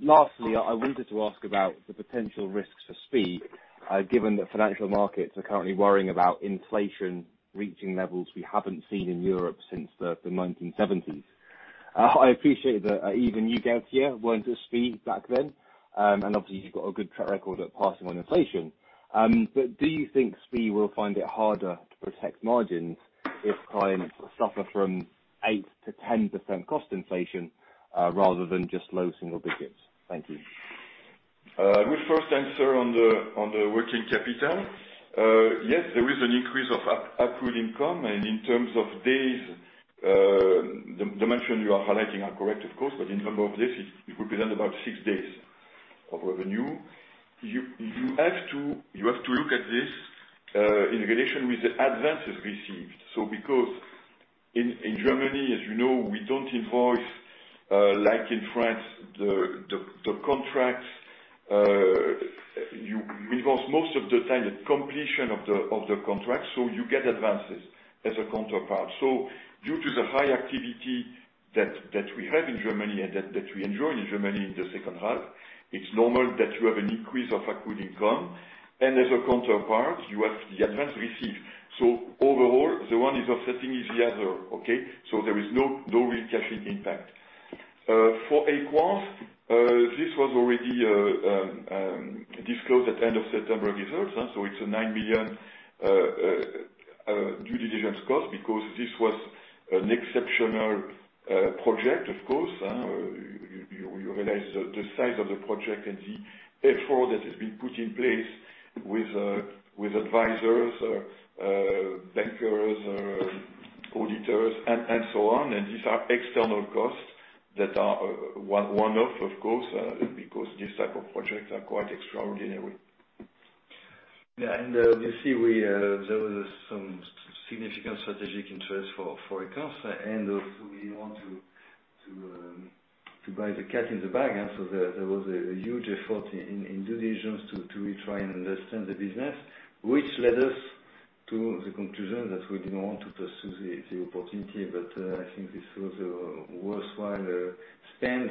Speaker 6: Lastly, I wanted to ask about the potential risks for SPIE, given that financial markets are currently worrying about inflation reaching levels we haven't seen in Europe since the 1970s. I appreciate that even you, Gauthier, weren't at SPIE back then. Obviously you've got a good track record at passing on inflation. But do you think SPIE will find it harder to protect margins if clients suffer from 8%-10% cost inflation, rather than just low single digits? Thank you.
Speaker 3: We first answer on the working capital. Yes, there is an increase of accrued income. In terms of days, the dimension you are highlighting are correct, of course, but in number of days, it represents about six days of revenue. You have to look at this in relation with the advances received. Because in Germany, as you know, we don't invoice like in France, the contracts. You invoice most of the time at completion of the contract, so you get advances as a counterpart. Due to the high activity. That we have in Germany and that we enjoy in Germany in the second half, it's normal that you have an increase of accrued income, and as a counterpart, you have the advance received. Overall the one is offsetting the other, okay? There is no real cash impact. For Equans, this was already disclosed at end of September results. It's 9 million due diligence cost because this was an exceptional project, of course. You realize the size of the project and the effort that has been put in place with advisors, bankers, auditors and so on. These are external costs that are one-off of course, because these type of projects are quite extraordinary.
Speaker 2: Yeah. You see, there was some significant strategic interest for Equans, and also we want to buy the cat in the bag. There was a huge effort in due diligence to try and understand the business, which led us to the conclusion that we didn't want to pursue the opportunity. I think this was a worthwhile spend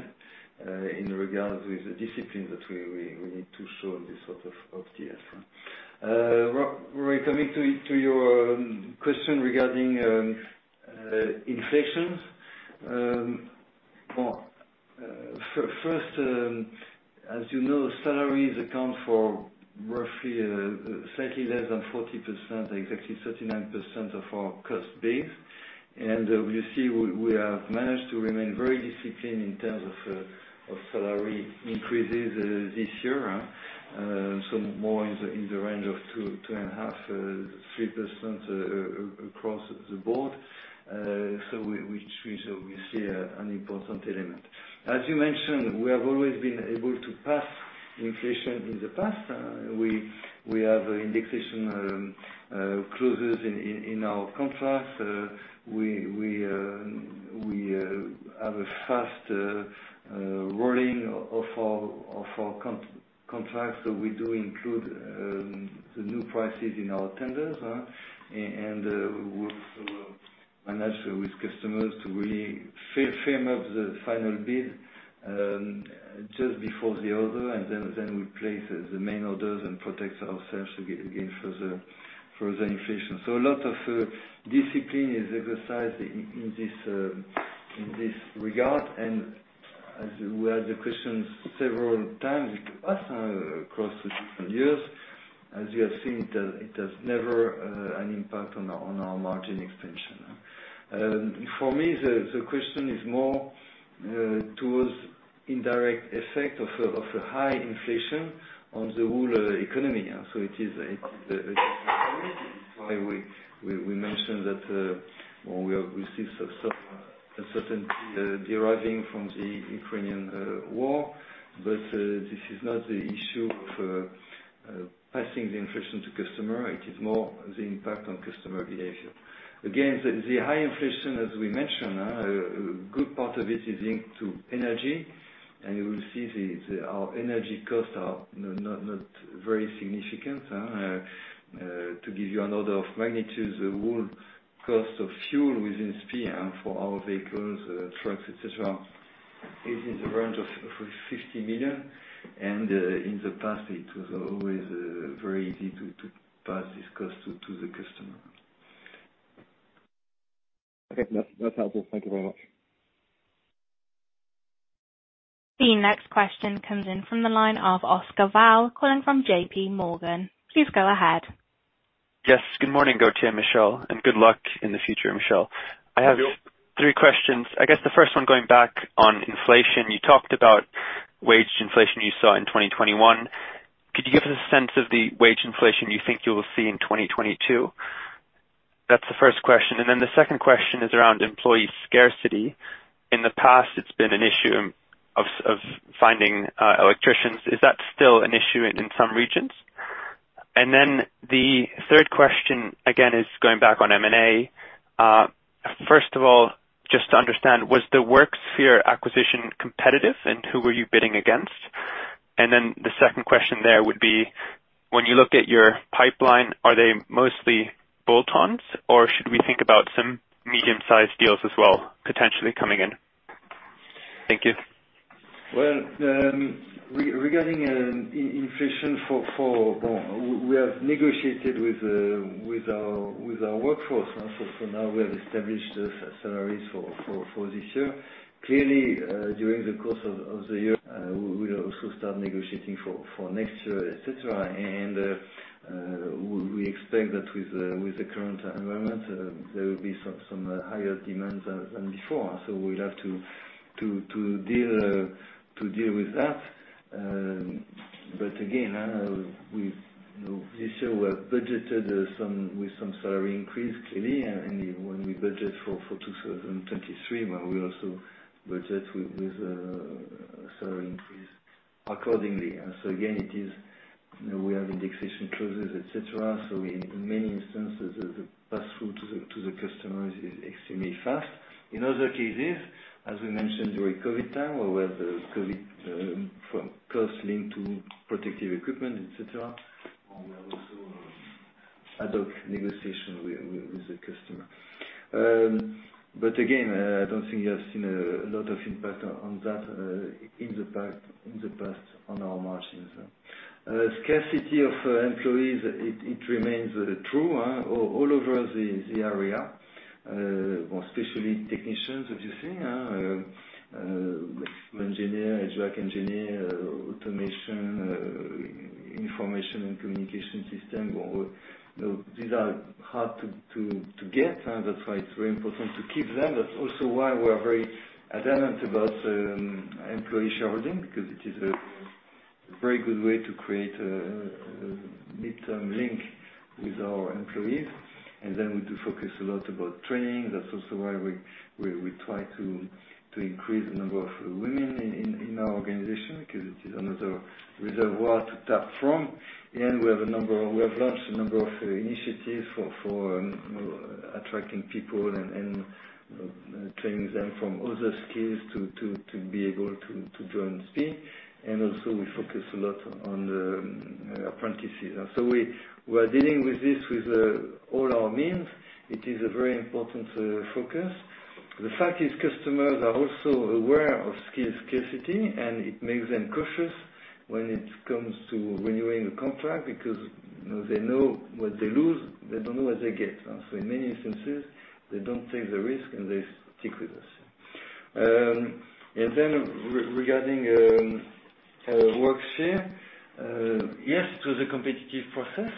Speaker 2: in regards with the discipline that we need to show this sort of year. Rory, coming to your question regarding inflation. Well, first, as you know, salaries account for roughly slightly less than 40%, exactly 39% of our cost base. You see, we have managed to remain very disciplined in terms of salary increases this year. More in the range of 2.5%, 3% across the board, which we see as an important element. As you mentioned, we have always been able to pass inflation in the past. We have indexation clauses in our contracts. We have a fast rolling of our contracts, so we do include the new prices in our tenders, and we also manage with customers to really firm up the final bid just before the order and then we place the main orders and protect ourselves against further inflation. A lot of discipline is exercised in this regard. We had the question several times with us across the different years, as you have seen, it has never an impact on our margin expansion. For me, the question is more towards indirect effect of a high inflation on the whole economy. That is why we mention that we have perceived some uncertainty deriving from the Ukrainian war. This is not the issue of passing the inflation to customer. It is more the impact on customer behavior. Again, the high inflation, as we mentioned, a good part of it is linked to energy, and you will see that our energy costs are not very significant. To give you an order of magnitude, the whole cost of fuel within SPIE for our vehicles, trucks, etc., is in the range of 50 million, and in the past it was always very easy to pass this cost to the customer.
Speaker 6: Okay. That's helpful. Thank you very much.
Speaker 1: The next question comes in from the line of Oscar Val, calling from J.P. Morgan. Please go ahead.
Speaker 7: Yes, good morning, Gauthier and Michel, and good luck in the future, Michel.
Speaker 3: Thank you.
Speaker 7: I have three questions. I guess the first one going back on inflation. You talked about wage inflation you saw in 2021. Could you give us a sense of the wage inflation you think you will see in 2022? That's the first question. Then the second question is around employee scarcity. In the past, it's been an issue of finding electricians. Is that still an issue in some regions? Then the third question, again, is going back on M&A. First of all, just to understand, was the Worksphere acquisition competitive, and who were you bidding against? Then the second question there would be, when you look at your pipeline, are they mostly bolt-ons, or should we think about some medium-sized deals as well potentially coming in? Thank you.
Speaker 2: Well, regarding inflation. We have negotiated with our workforce. For now, we have established the salaries for this year. Clearly, during the course of the year, we'll also start negotiating for next year, etc. We expect that with the current environment, there will be some higher demands than before. We'll have to deal with that. But again, this year we have budgeted some salary increase, clearly. When we budget for 2023, we also budget with salary increase accordingly. Again, you know, we have indexation clauses, etc. In many instances, the pass through to the customers is extremely fast. In other cases, as we mentioned during COVID time, where the COVID costs linked to protective equipment, etc., and we have also ad hoc negotiation with the customer. Again, I don't think you have seen a lot of impact on that in the past on our margins. Scarcity of employees, it remains true all over the area. Well, especially technicians, as you say, engineer, HVAC engineer, automation, information and communication system. Well, these are hard to get, that's why it's very important to keep them. That's also why we are very adamant about employee shareholding, because it is a very good way to create a midterm link with our employees. Then we do focus a lot about training. That's also why we try to increase the number of women in our organization, because it is another reservoir to tap from. We have launched a number of initiatives for attracting people and training them from other skills to be able to join SPIE. Also we focus a lot on the apprentices. We are dealing with this with all our means. It is a very important focus. The fact is customers are also aware of skill scarcity, and it makes them cautious when it comes to renewing the contract because they know what they lose, they don't know what they get. In many instances, they don't take the risk, and they stick with us. Regarding Worksphere, yes, it was a competitive process,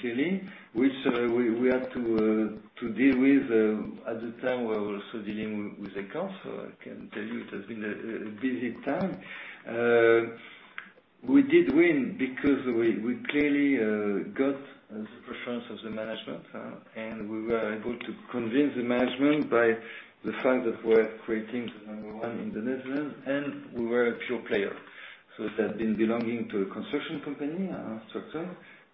Speaker 2: clearly, which we had to deal with. At the time, we were also dealing with accounts. I can tell you it has been a busy time. We did win because we clearly got the preference of the management, and we were able to convince the management by the fact that we're creating the number one in the Netherlands, and we were a pure player. Instead of belonging to a construction company structure,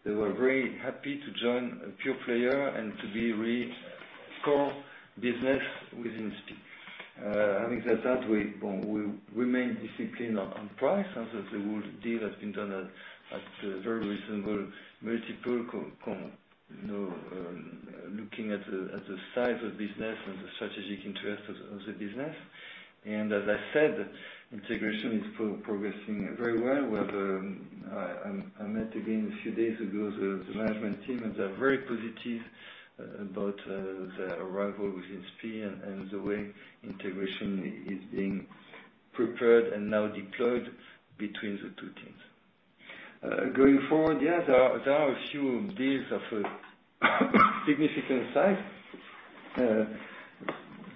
Speaker 2: they were very happy to join a pure player and to be core business within SPIE. Having said that, we remain disciplined on price, and the whole deal has been done at a very reasonable multiple, you know, looking at the size of business and the strategic interest of the business. As I said, integration is progressing very well. I met again a few days ago the management team, and they're very positive about the arrival within SPIE and the way integration is being prepared and now deployed between the two teams. Going forward, yes, there are a few deals of a significant size.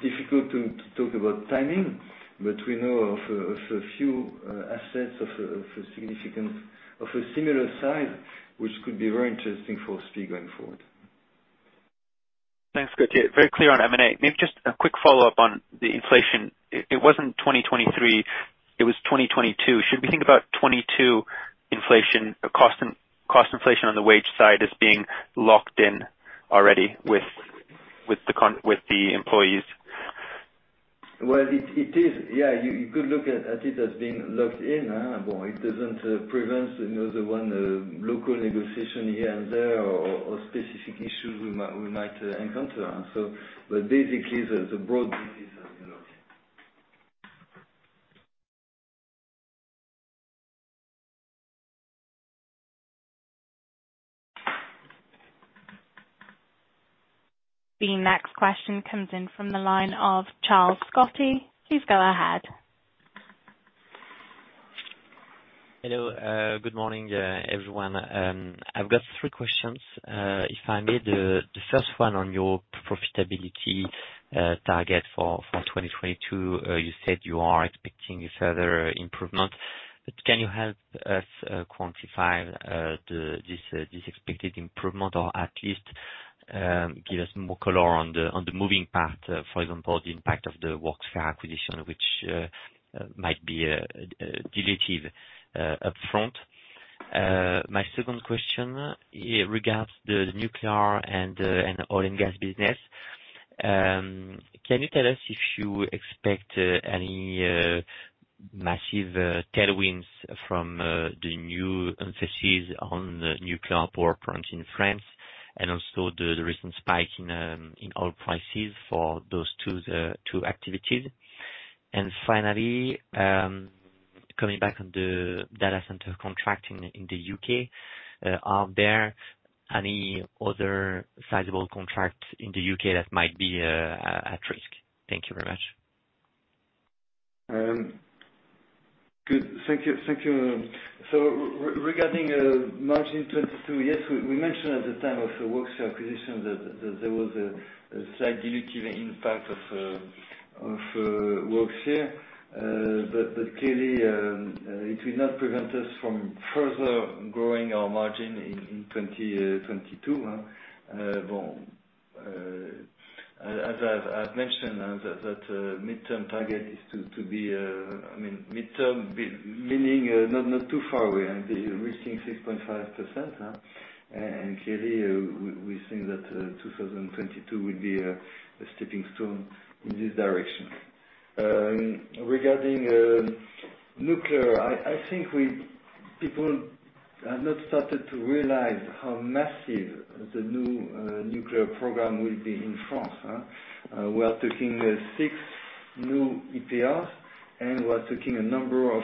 Speaker 2: Difficult to talk about timing, but we know of a few assets of a significant size, of a similar size, which could be very interesting for SPIE going forward.
Speaker 7: Thanks, Gauthier. Very clear on M&A. Maybe just a quick follow-up on the inflation. It wasn't 2023, it was 2022. Should we think about 2022 inflation, or cost inflation on the wage side as being locked in already with the employees?
Speaker 2: Well, it is. Yeah, you could look at it as being locked in. Well, it doesn't prevent, you know, the one local negotiation here and there or specific issues we might encounter. Basically, the broad pieces are locked in.
Speaker 1: The next question comes in from the line of Charles Scotti. Please go ahead.
Speaker 8: Hello. Good morning, everyone. I've got three questions. If I may. The first one on your profitability target for 2022. You said you are expecting a further improvement, but can you help us quantify this expected improvement or at least give us more color on the moving part, for example, the impact of the Worksphere acquisition, which might be dilutive up front. My second question regards the nuclear and oil and gas business. Can you tell us if you expect any massive tailwinds from the new emphasis on the nuclear power plants in France and also the recent spike in oil prices for those two activities? Finally, coming back on the data center contract in the U.K., are there any other sizable contracts in the U.K. that might be at risk? Thank you very much.
Speaker 2: Good. Thank you. Thank you. Regarding margin 2022, yes, we mentioned at the time of the Worksphere acquisition that there was a slight dilutive impact of Worksphere. Clearly, it will not prevent us from further growing our margin in 2022. Well, as I've mentioned that midterm target is to be, I mean, midterm meaning not too far away, and reaching 6.5%. Clearly, we think that 2022 will be a stepping stone in this direction. Regarding nuclear, I think people have not started to realize how massive the new nuclear program will be in France. We are talking six new EPRs, and we're taking a number of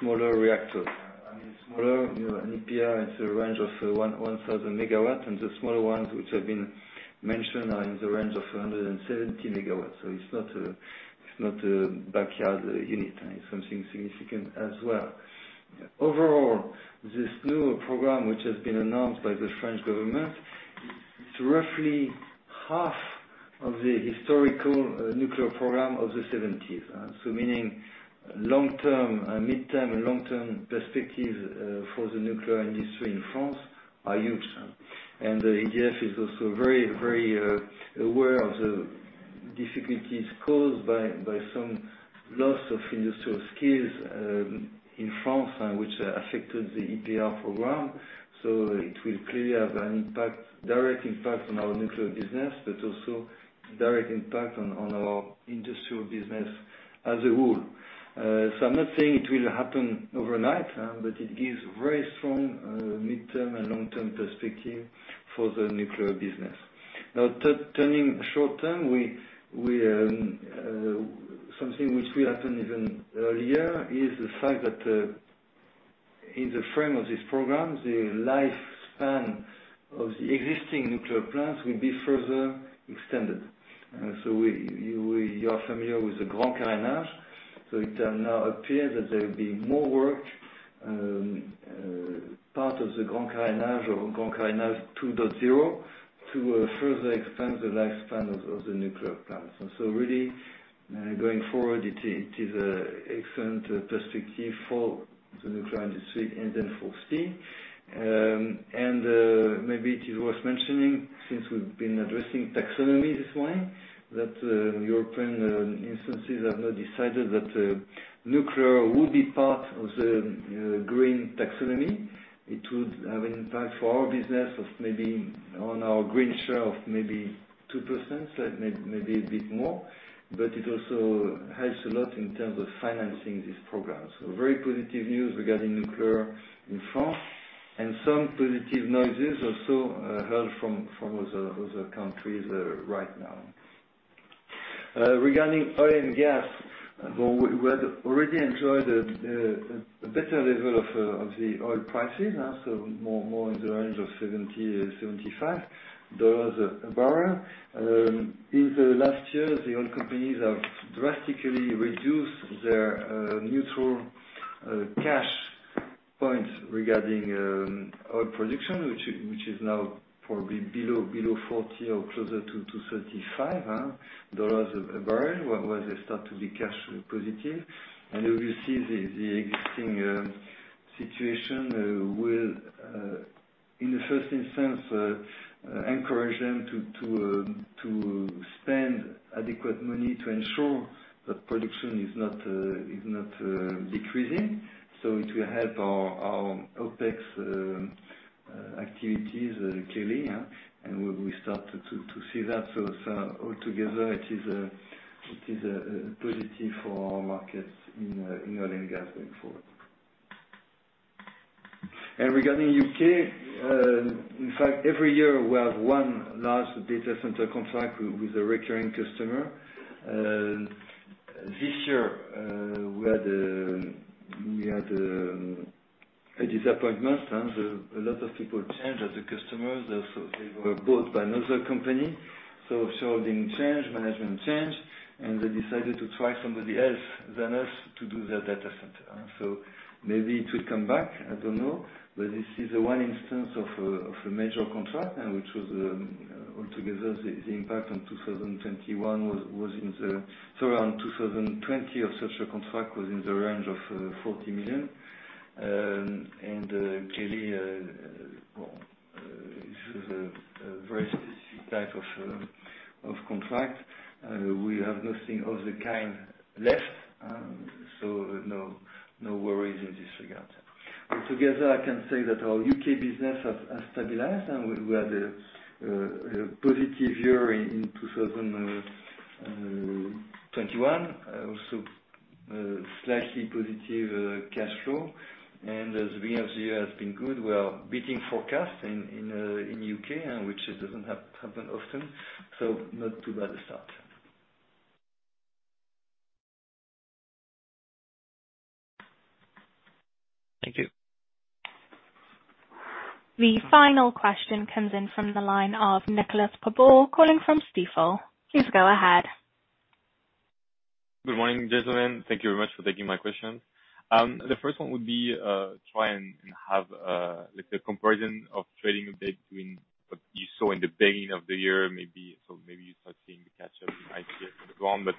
Speaker 2: smaller reactors. I mean, smaller, you know, an EPR is a range of 1,000 MW, and the smaller ones, which have been mentioned, are in the range of 170 MW. It's not a backyard unit. It's something significant as well. Overall, this new program, which has been announced by the French government, it's roughly half of the historical nuclear program of the 1970s. Meaning long-term, mid-term and long-term perspective for the nuclear industry in France are huge. The EDF is also very aware of the difficulties caused by some loss of industrial skills in France, which affected the EPR program. It will clearly have an impact, direct impact on our nuclear business, but also a direct impact on our industrial business as a whole. I'm not saying it will happen overnight, but it gives very strong mid-term and long-term perspective for the nuclear business. Now turning short term, something which will happen even earlier is the fact that, in the frame of this program, the lifespan of the existing nuclear plants will be further extended. You are familiar with the Grand Carénage. It now appears that there will be more work, part of the Grand Carénage or Grand Carénage 2.0, to further extend the lifespan of the nuclear plants. Really, going forward, it is an excellent perspective for the nuclear industry and then for SPIE. Maybe it is worth mentioning, since we've been addressing taxonomy this way, that European institutions have now decided that nuclear will be part of the green taxonomy. It would have an impact for our business of maybe on our green share of maybe 2%, so maybe a bit more, but it also helps a lot in terms of financing this program. Very positive news regarding nuclear in France and some positive noises also heard from other countries right now. Regarding Oil and Gas, well, we had already enjoyed a better level of the oil prices. So more in the range of $70-$75 a barrel. In the last year, the oil companies have drastically reduced their breakeven cash points regarding oil production, which is now probably below $40 or closer to $35 dollars barrel, where they start to be cash positive. Obviously the existing situation will in the first instance encourage them to spend adequate money to ensure that production is not decreasing. It will help our OpEx activities clearly, and we start to see that. Altogether it is a positive for our markets in oil and gas going forward. Regarding U.K., in fact every year we have one large data center contract with a recurring customer. This year, we had a disappointment. A lot of people changed at the customer, and so they were bought by another company, so senior change, management change, and they decided to try somebody else than us to do their data center. Maybe it will come back, I don't know. This is one instance of a major contract, which was altogether the impact on 2021 was in the. Around 2020 of such a contract was in the range of 40 million. Clearly, well, this was a very specific type of contract. We have nothing of the kind left, so no worries in this regard. Altogether, I can say that our U.K. business has stabilized, and we had a positive year in 2021. Also, slightly positive cash flow. As the beginning of the year has been good, we are beating forecasts in U.K., which it doesn't happen often, so not too bad a start.
Speaker 8: Thank you.
Speaker 1: The final question comes in from the line of Nicholas Tabor, calling from Stifel. Please go ahead.
Speaker 9: Good morning, gentlemen. Thank you very much for taking my questions. The first one would be to try and have like a comparison of trading update between what you saw in the beginning of the year, maybe. Maybe you start seeing the catch up in ICS on the ground.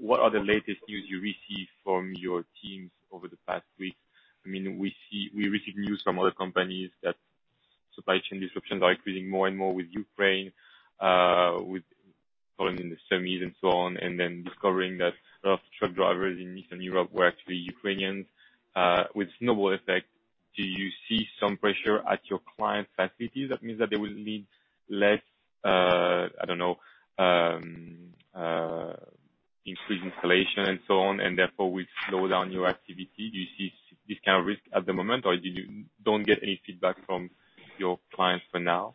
Speaker 9: What are the latest news you received from your teams over the past week? I mean, we see we received news from other companies that supply chain disruptions are increasing more and more with Ukraine, with following the semis and so on, and then discovering that a lot of truck drivers in Eastern Europe were actually Ukrainians, with snowball effect. Do you see some pressure at your client's facilities? That means that they will need less, increased installation and so on, and therefore will slow down your activity. Do you see this kind of risk at the moment, or you don't get any feedback from your clients for now?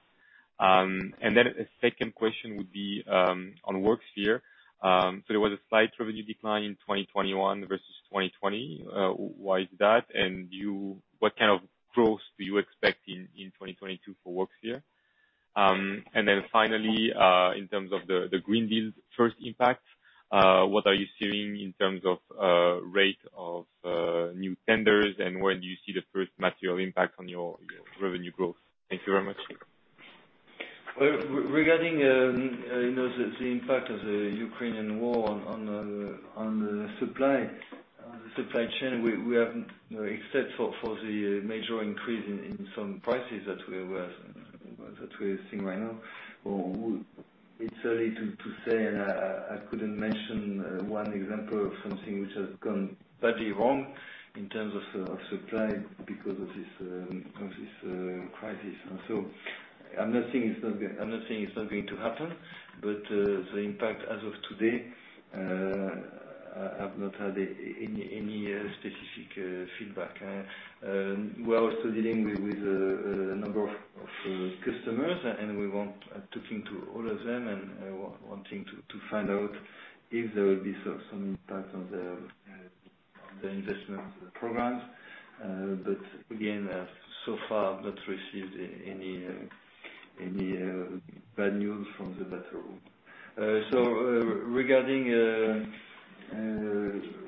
Speaker 9: A second question would be on Worksphere. There was a slight revenue decline in 2021 versus 2020. Why is that? What kind of growth do you expect in 2022 for Worksphere? Finally, in terms of the Green Deal's first impact, what are you seeing in terms of rate of new tenders? When do you see the first material impact on your revenue growth? Thank you very much.
Speaker 2: Regarding, you know, the impact of the Ukrainian war on the supply chain, we haven't except for the major increase in some prices that we're seeing right now. It's early to say. I couldn't mention one example of something which has gone badly wrong in terms of supply because of this crisis. I'm not saying it's not going to happen, but the impact as of today, I have not had any specific feedback. We're also dealing with a number of customers, talking to all of them and wanting to find out if there will be some impact on the investment programs. Again, so far I've not received any bad news from the battle.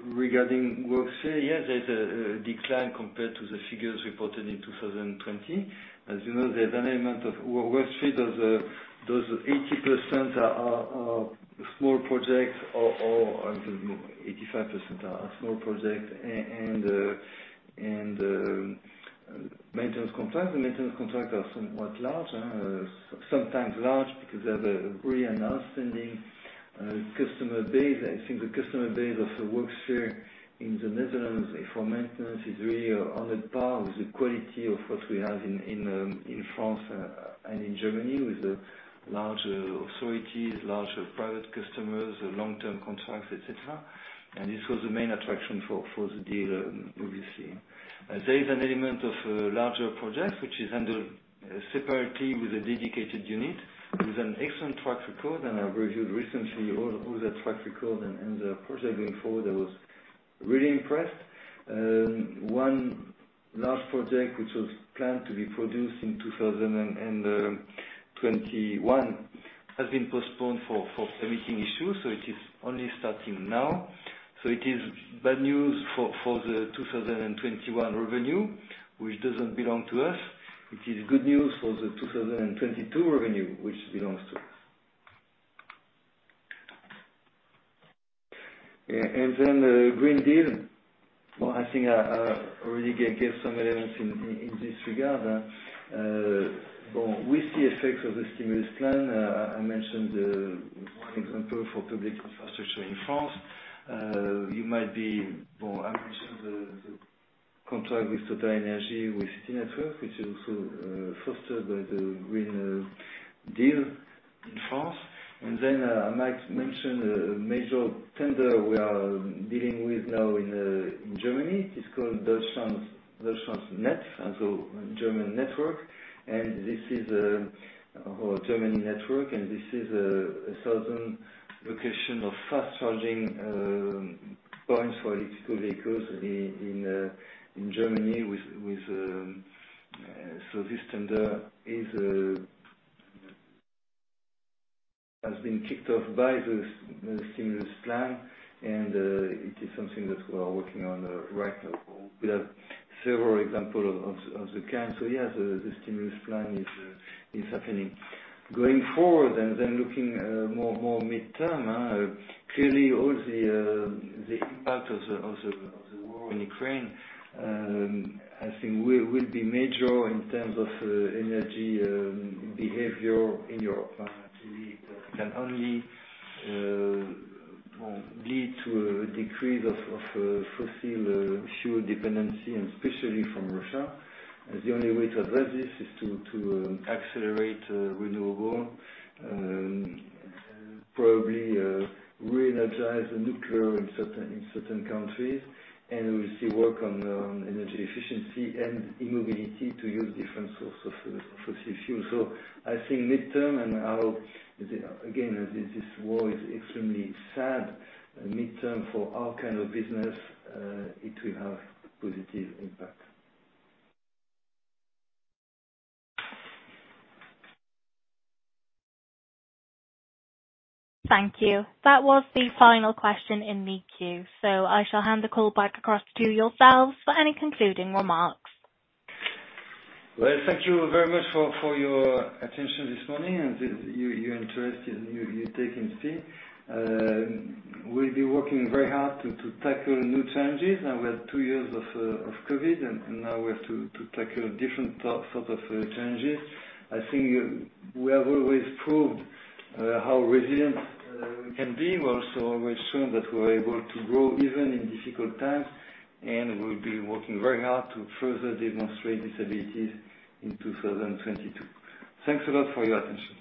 Speaker 2: Regarding Worksphere, yes, there's a decline compared to the figures reported in 2020. As you know, the dynamic of Worksphere, those 80% are small projects or 85% are small projects and maintenance contracts. The maintenance contracts are somewhat large, sometimes large because they have a really outstanding customer base. I think the customer base of Worksphere in the Netherlands for maintenance is really on a par with the quality of what we have in France and in Germany, with large authorities, large private customers, long-term contracts, etc. This was the main attraction for the deal, obviously. There is an element of larger projects which is under separately with a dedicated unit with an excellent track record, and I've reviewed recently all the track record and the project going forward. I was really impressed. One large project which was planned to be produced in 2021 has been postponed for permitting issues, so it is only starting now. It is bad news for the 2021 revenue, which doesn't belong to us. It is good news for the 2022 revenue, which belongs to us. Then the Green Deal, well, I think I already gave some elements in this regard. With the effects of the stimulus plan, I mentioned one example for public infrastructure in France. You might be... I mentioned the contract with TotalEnergies, with CityNetworks, which is also fostered by the Green Deal in France. I might mention a major tender we are dealing with now in Germany. It's called Deutschlandnetz, German network. This is a certain location of fast charging points for electric vehicles in Germany with. This tender has been kicked off by the stimulus plan, and it is something that we are working on right now. We have several examples of the kind. Yes, the stimulus plan is happening. Going forward and then looking more midterm, clearly all the impact of the war in Ukraine, I think will be major in terms of energy behavior in Europe. Actually, it can only lead to a decrease of fossil fuel dependency and especially from Russia. The only way to address this is to accelerate renewable probably reenergize nuclear in certain countries, and obviously work on energy efficiency and e-mobility to use different source of fossil fuel. I think midterm and I hope, again, this war is extremely sad. Midterm for our kind of business, it will have positive impact.
Speaker 1: Thank you. That was the final question in the queue. I shall hand the call back across to yourselves for any concluding remarks.
Speaker 2: Well, thank you very much for your attention this morning and your interest and for taking the time. We'll be working very hard to tackle new challenges. Now we had two years of COVID, and now we have to tackle different sort of challenges. I think we have always proved how resilient we can be. We have also always shown that we're able to grow even in difficult times, and we'll be working very hard to further demonstrate this ability in 2022. Thanks a lot for your attention.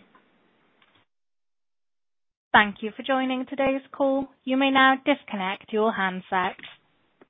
Speaker 1: Thank you for joining today's call. You may now disconnect your handsets.